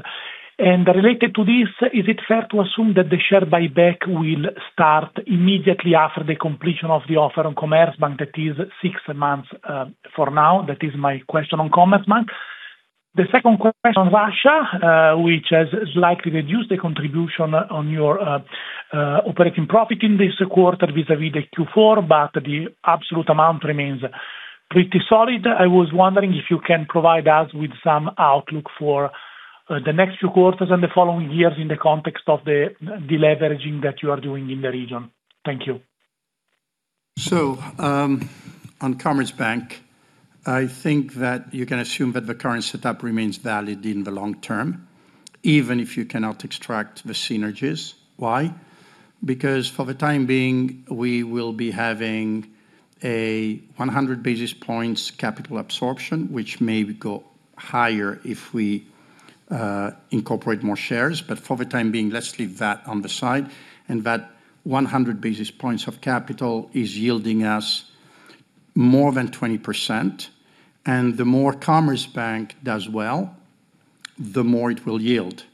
Related to this, is it fair to assume that the share buyback will start immediately after the completion of the offer on Commerzbank? That is six months for now. That is my question on Commerzbank. Second question on Russia, which has slightly reduced the contribution on your operating profit in this quarter vis-a-vis the Q4, but the absolute amount remains pretty solid. I was wondering if you can provide us with some outlook for the next few quarters and the following years in the context of the de-leveraging that you are doing in the region. Thank you. On Commerzbank, I think that you can assume that the current setup remains valid in the long term, even if you cannot extract the synergies. Why? Because for the time being, we will be having a 100 basis points capital absorption, which may go higher if we incorporate more shares. For the time being, let's leave that on the side, and that 100 basis points of capital is yielding us more than 20%. The more Commerzbank does well, the more it will yield.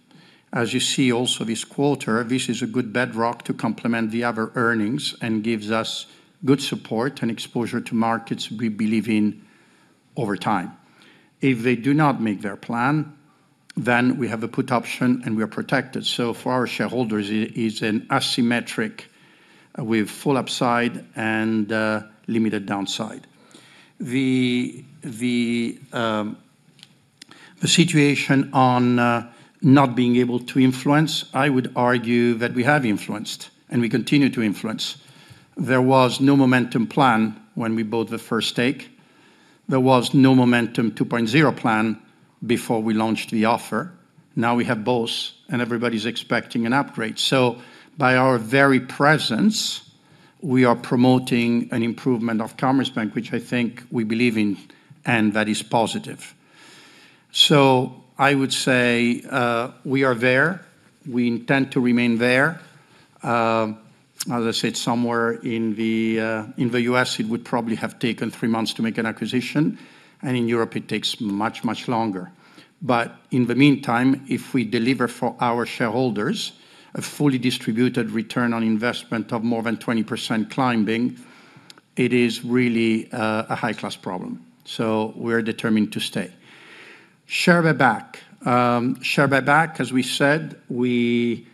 As you see also this quarter, this is a good bedrock to complement the other earnings and gives us good support and exposure to markets we believe in over time. If they do not make their plan, then we have a put option, and we are protected. For our shareholders, it is an asymmetric with full upside and limited downside. The situation on not being able to influence, I would argue that we have influenced and we continue to influence. There was no Momentum plan when we bought the first stake. There was no Momentum 2.0 plan before we launched the offer. Now we have both, and everybody's expecting an upgrade. By our very presence, we are promoting an improvement of Commerzbank, which I think we believe in, and that is positive. I would say, we are there. We intend to remain there. As I said, somewhere in the U.S. it would probably have taken three months to make an acquisition, and in Europe it takes much, much longer. In the meantime, if we deliver for our shareholders a fully distributed return on investment of more than 20% climbing, it is really a high-class problem. We're determined to stay. Share buyback. Share buyback, as we said, we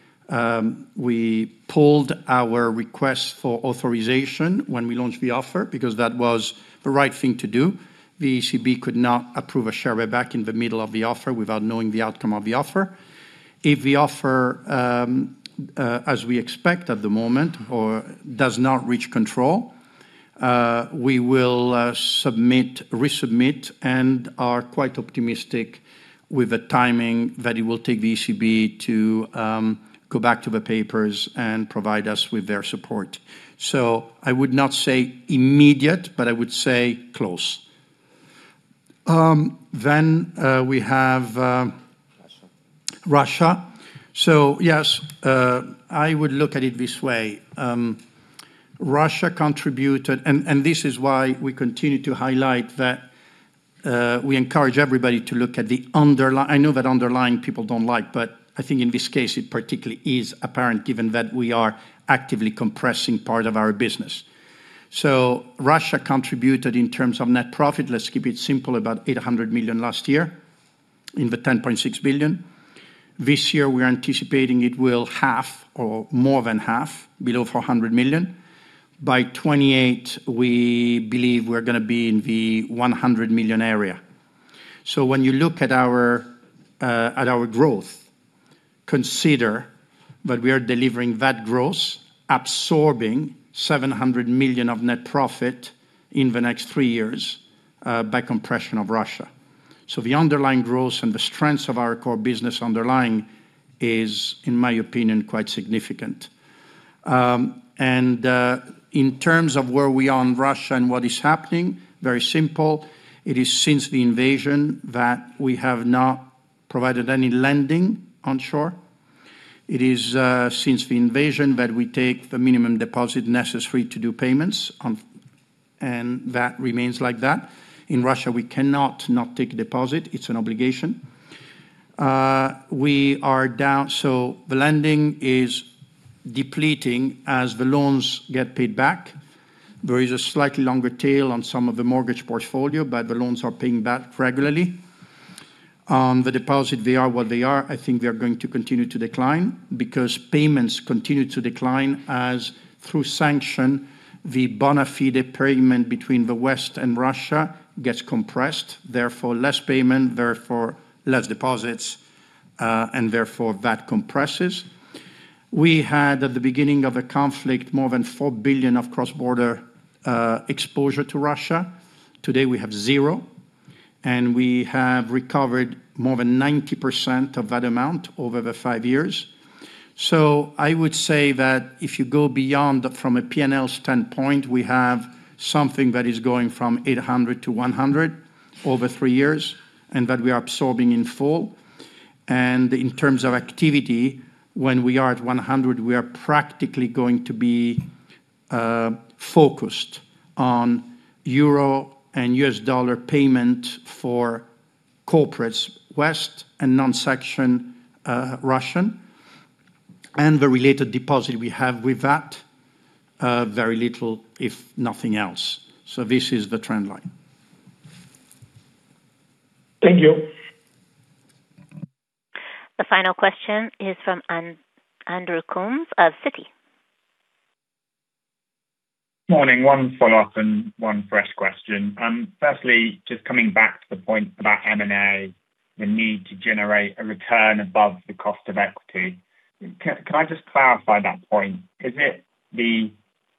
pulled our request for authorization when we launched the offer because that was the right thing to do. The ECB could not approve a share buyback in the middle of the offer without knowing the outcome of the offer. If the offer, as we expect at the moment or does not reach control, we will submit, resubmit and are quite optimistic with the timing that it will take the ECB to go back to the papers and provide us with their support. I would not say immediate, but I would say close. Then we have Russia. Yes, I would look at it this way. This is why we continue to highlight that we encourage everybody to look at the underlying. I know that underlying people don't like, but I think in this case it particularly is apparent given that we are actively compressing part of our business. Russia contributed in terms of net profit, let's keep it simple, about 800 million last year in the 10.6 billion. This year we are anticipating it will half or more than half below 400 million. By 2028, we believe we're gonna be in the 100 million area. When you look at our at our growth, consider that we are delivering that growth, absorbing 700 million of net profit in the next three years by compression of Russia. The underlying growth and the strengths of our core business underlying is, in my opinion, quite significant. In terms of where we are in Russia and what is happening, very simple. It is since the invasion that we have not provided any lending onshore. It is since the invasion that we take the minimum deposit necessary to do payments on, and that remains like that. In Russia, we cannot not take a deposit. It's an obligation. We are down, the lending is depleting as the loans get paid back. There is a slightly longer tail on some of the mortgage portfolio, but the loans are paying back regularly. On the deposit, they are what they are. I think they're going to continue to decline because payments continue to decline as, through sanction, the bona fide payment between the West and Russia gets compressed, therefore less payment, therefore less deposits, therefore that compresses. We had, at the beginning of the conflict, more than 4 billion of cross-border exposure to Russia. Today, we have zero. We have recovered more than 90% of that amount over the five years. I would say that if you go beyond from a P&L standpoint, we have something that is going from 800 million-100 million over three years and that we are absorbing in full. In terms of activity, when we are at 100, we are practically going to be focused on Euro and U.S. dollar payment for corporates, West and non-sanction, Russian, and the related deposit we have with that, very little if nothing else. This is the trend line. Thank you. The final question is from Andrew Coombs of Citi. Morning. One follow-up and one fresh question. Firstly, just coming back to the point about M&A, the need to generate a return above the cost of equity. Can I just clarify that point? Is it the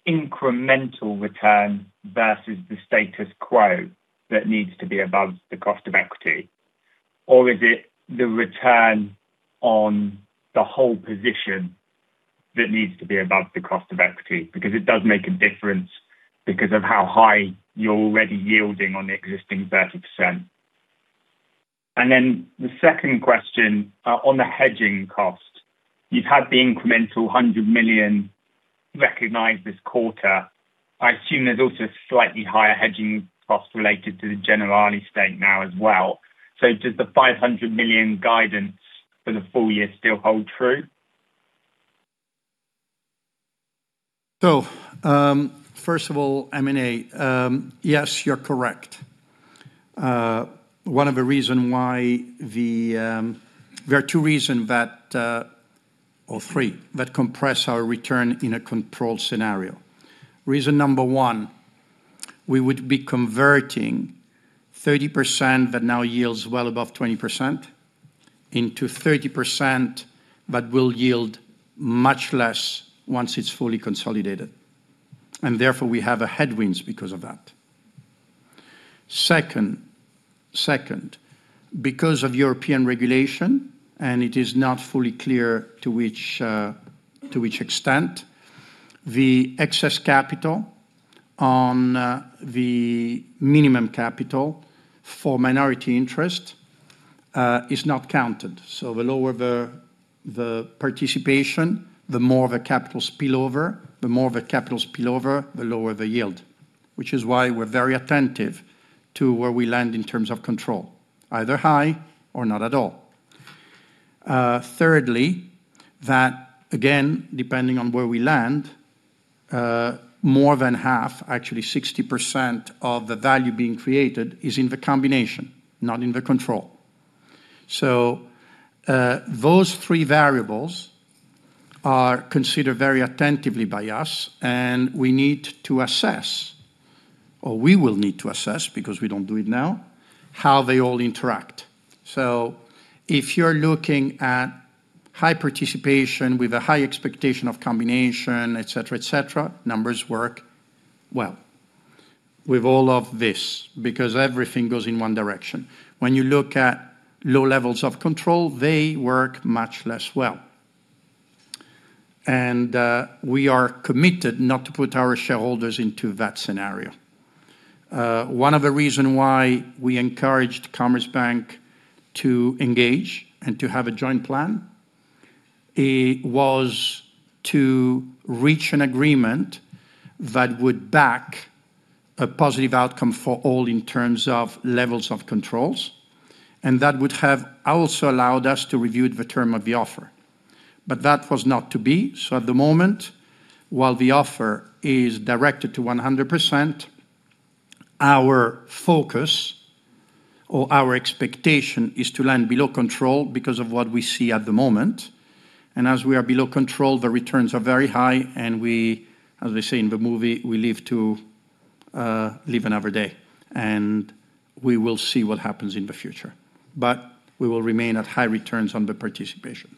incremental return versus the status quo that needs to be above the cost of equity? Or is it the return on the whole position that needs to be above the cost of equity? Because it does make a difference because of how high you're already yielding on the existing 30%. The second question, on the hedging cost. You've had the incremental 100 million recognized this quarter. I assume there's also slightly higher hedging costs related to the Generali stake now as well. Does the 500 million guidance for the full year still hold true? First of all, M&A, yes, you're correct. One of the reason why there are two reasons that, or three, that compress our return in a controlled scenario. Reason number 1. We would be converting 30% that now yields well above 20% into 30% that will yield much less once it's fully consolidated, and therefore we have a headwinds because of that. Second, because of European regulation, and it is not fully clear to which, to which extent, the excess capital on the minimum capital for minority interest is not counted. The lower the participation, the more the capital spillover, the lower the yield, which is why we're very attentive to where we land in terms of control, either high or not at all. Thirdly, that again, depending on where we land, more than half, actually 60% of the value being created is in the combination, not in the control. Those three variables are considered very attentively by us, and we need to assess, or we will need to assess because we don't do it now, how they all interact. If you're looking at high participation with a high expectation of combination, et cetera, et cetera, numbers work well with all of this because everything goes in one direction. When you look at low levels of control, they work much less well. We are committed not to put our shareholders into that scenario. One of the reason why we encouraged Commerzbank to engage and to have a joint plan, it was to reach an agreement that would back a positive outcome for all in terms of levels of controls, and that would have also allowed us to review the term of the offer. That was not to be. At the moment, while the offer is directed to 100%, our focus or our expectation is to land below control because of what we see at the moment. As we are below control, the returns are very high, and we, as they say in the movie, we live to live another day, and we will see what happens in the future. We will remain at high returns on the participation.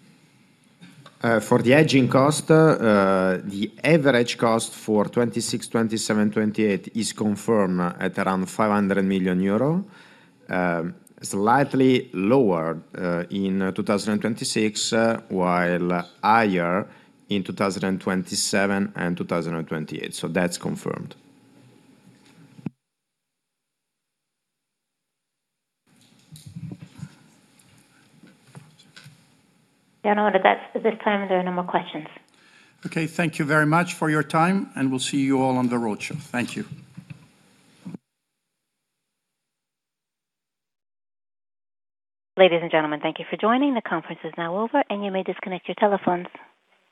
For the hedging cost, the average cost for 2026, 2027, 2028 is confirmed at around 500 million euro, slightly lower in 2026, while higher in 2027 and 2028. That's confirmed. Gentlemen, at this time, there are no more questions. Okay. Thank you very much for your time. We'll see you all on the roadshow. Thank you. Ladies and gentlemen, thank you for joining. The conference is now over, and you may disconnect your telephones.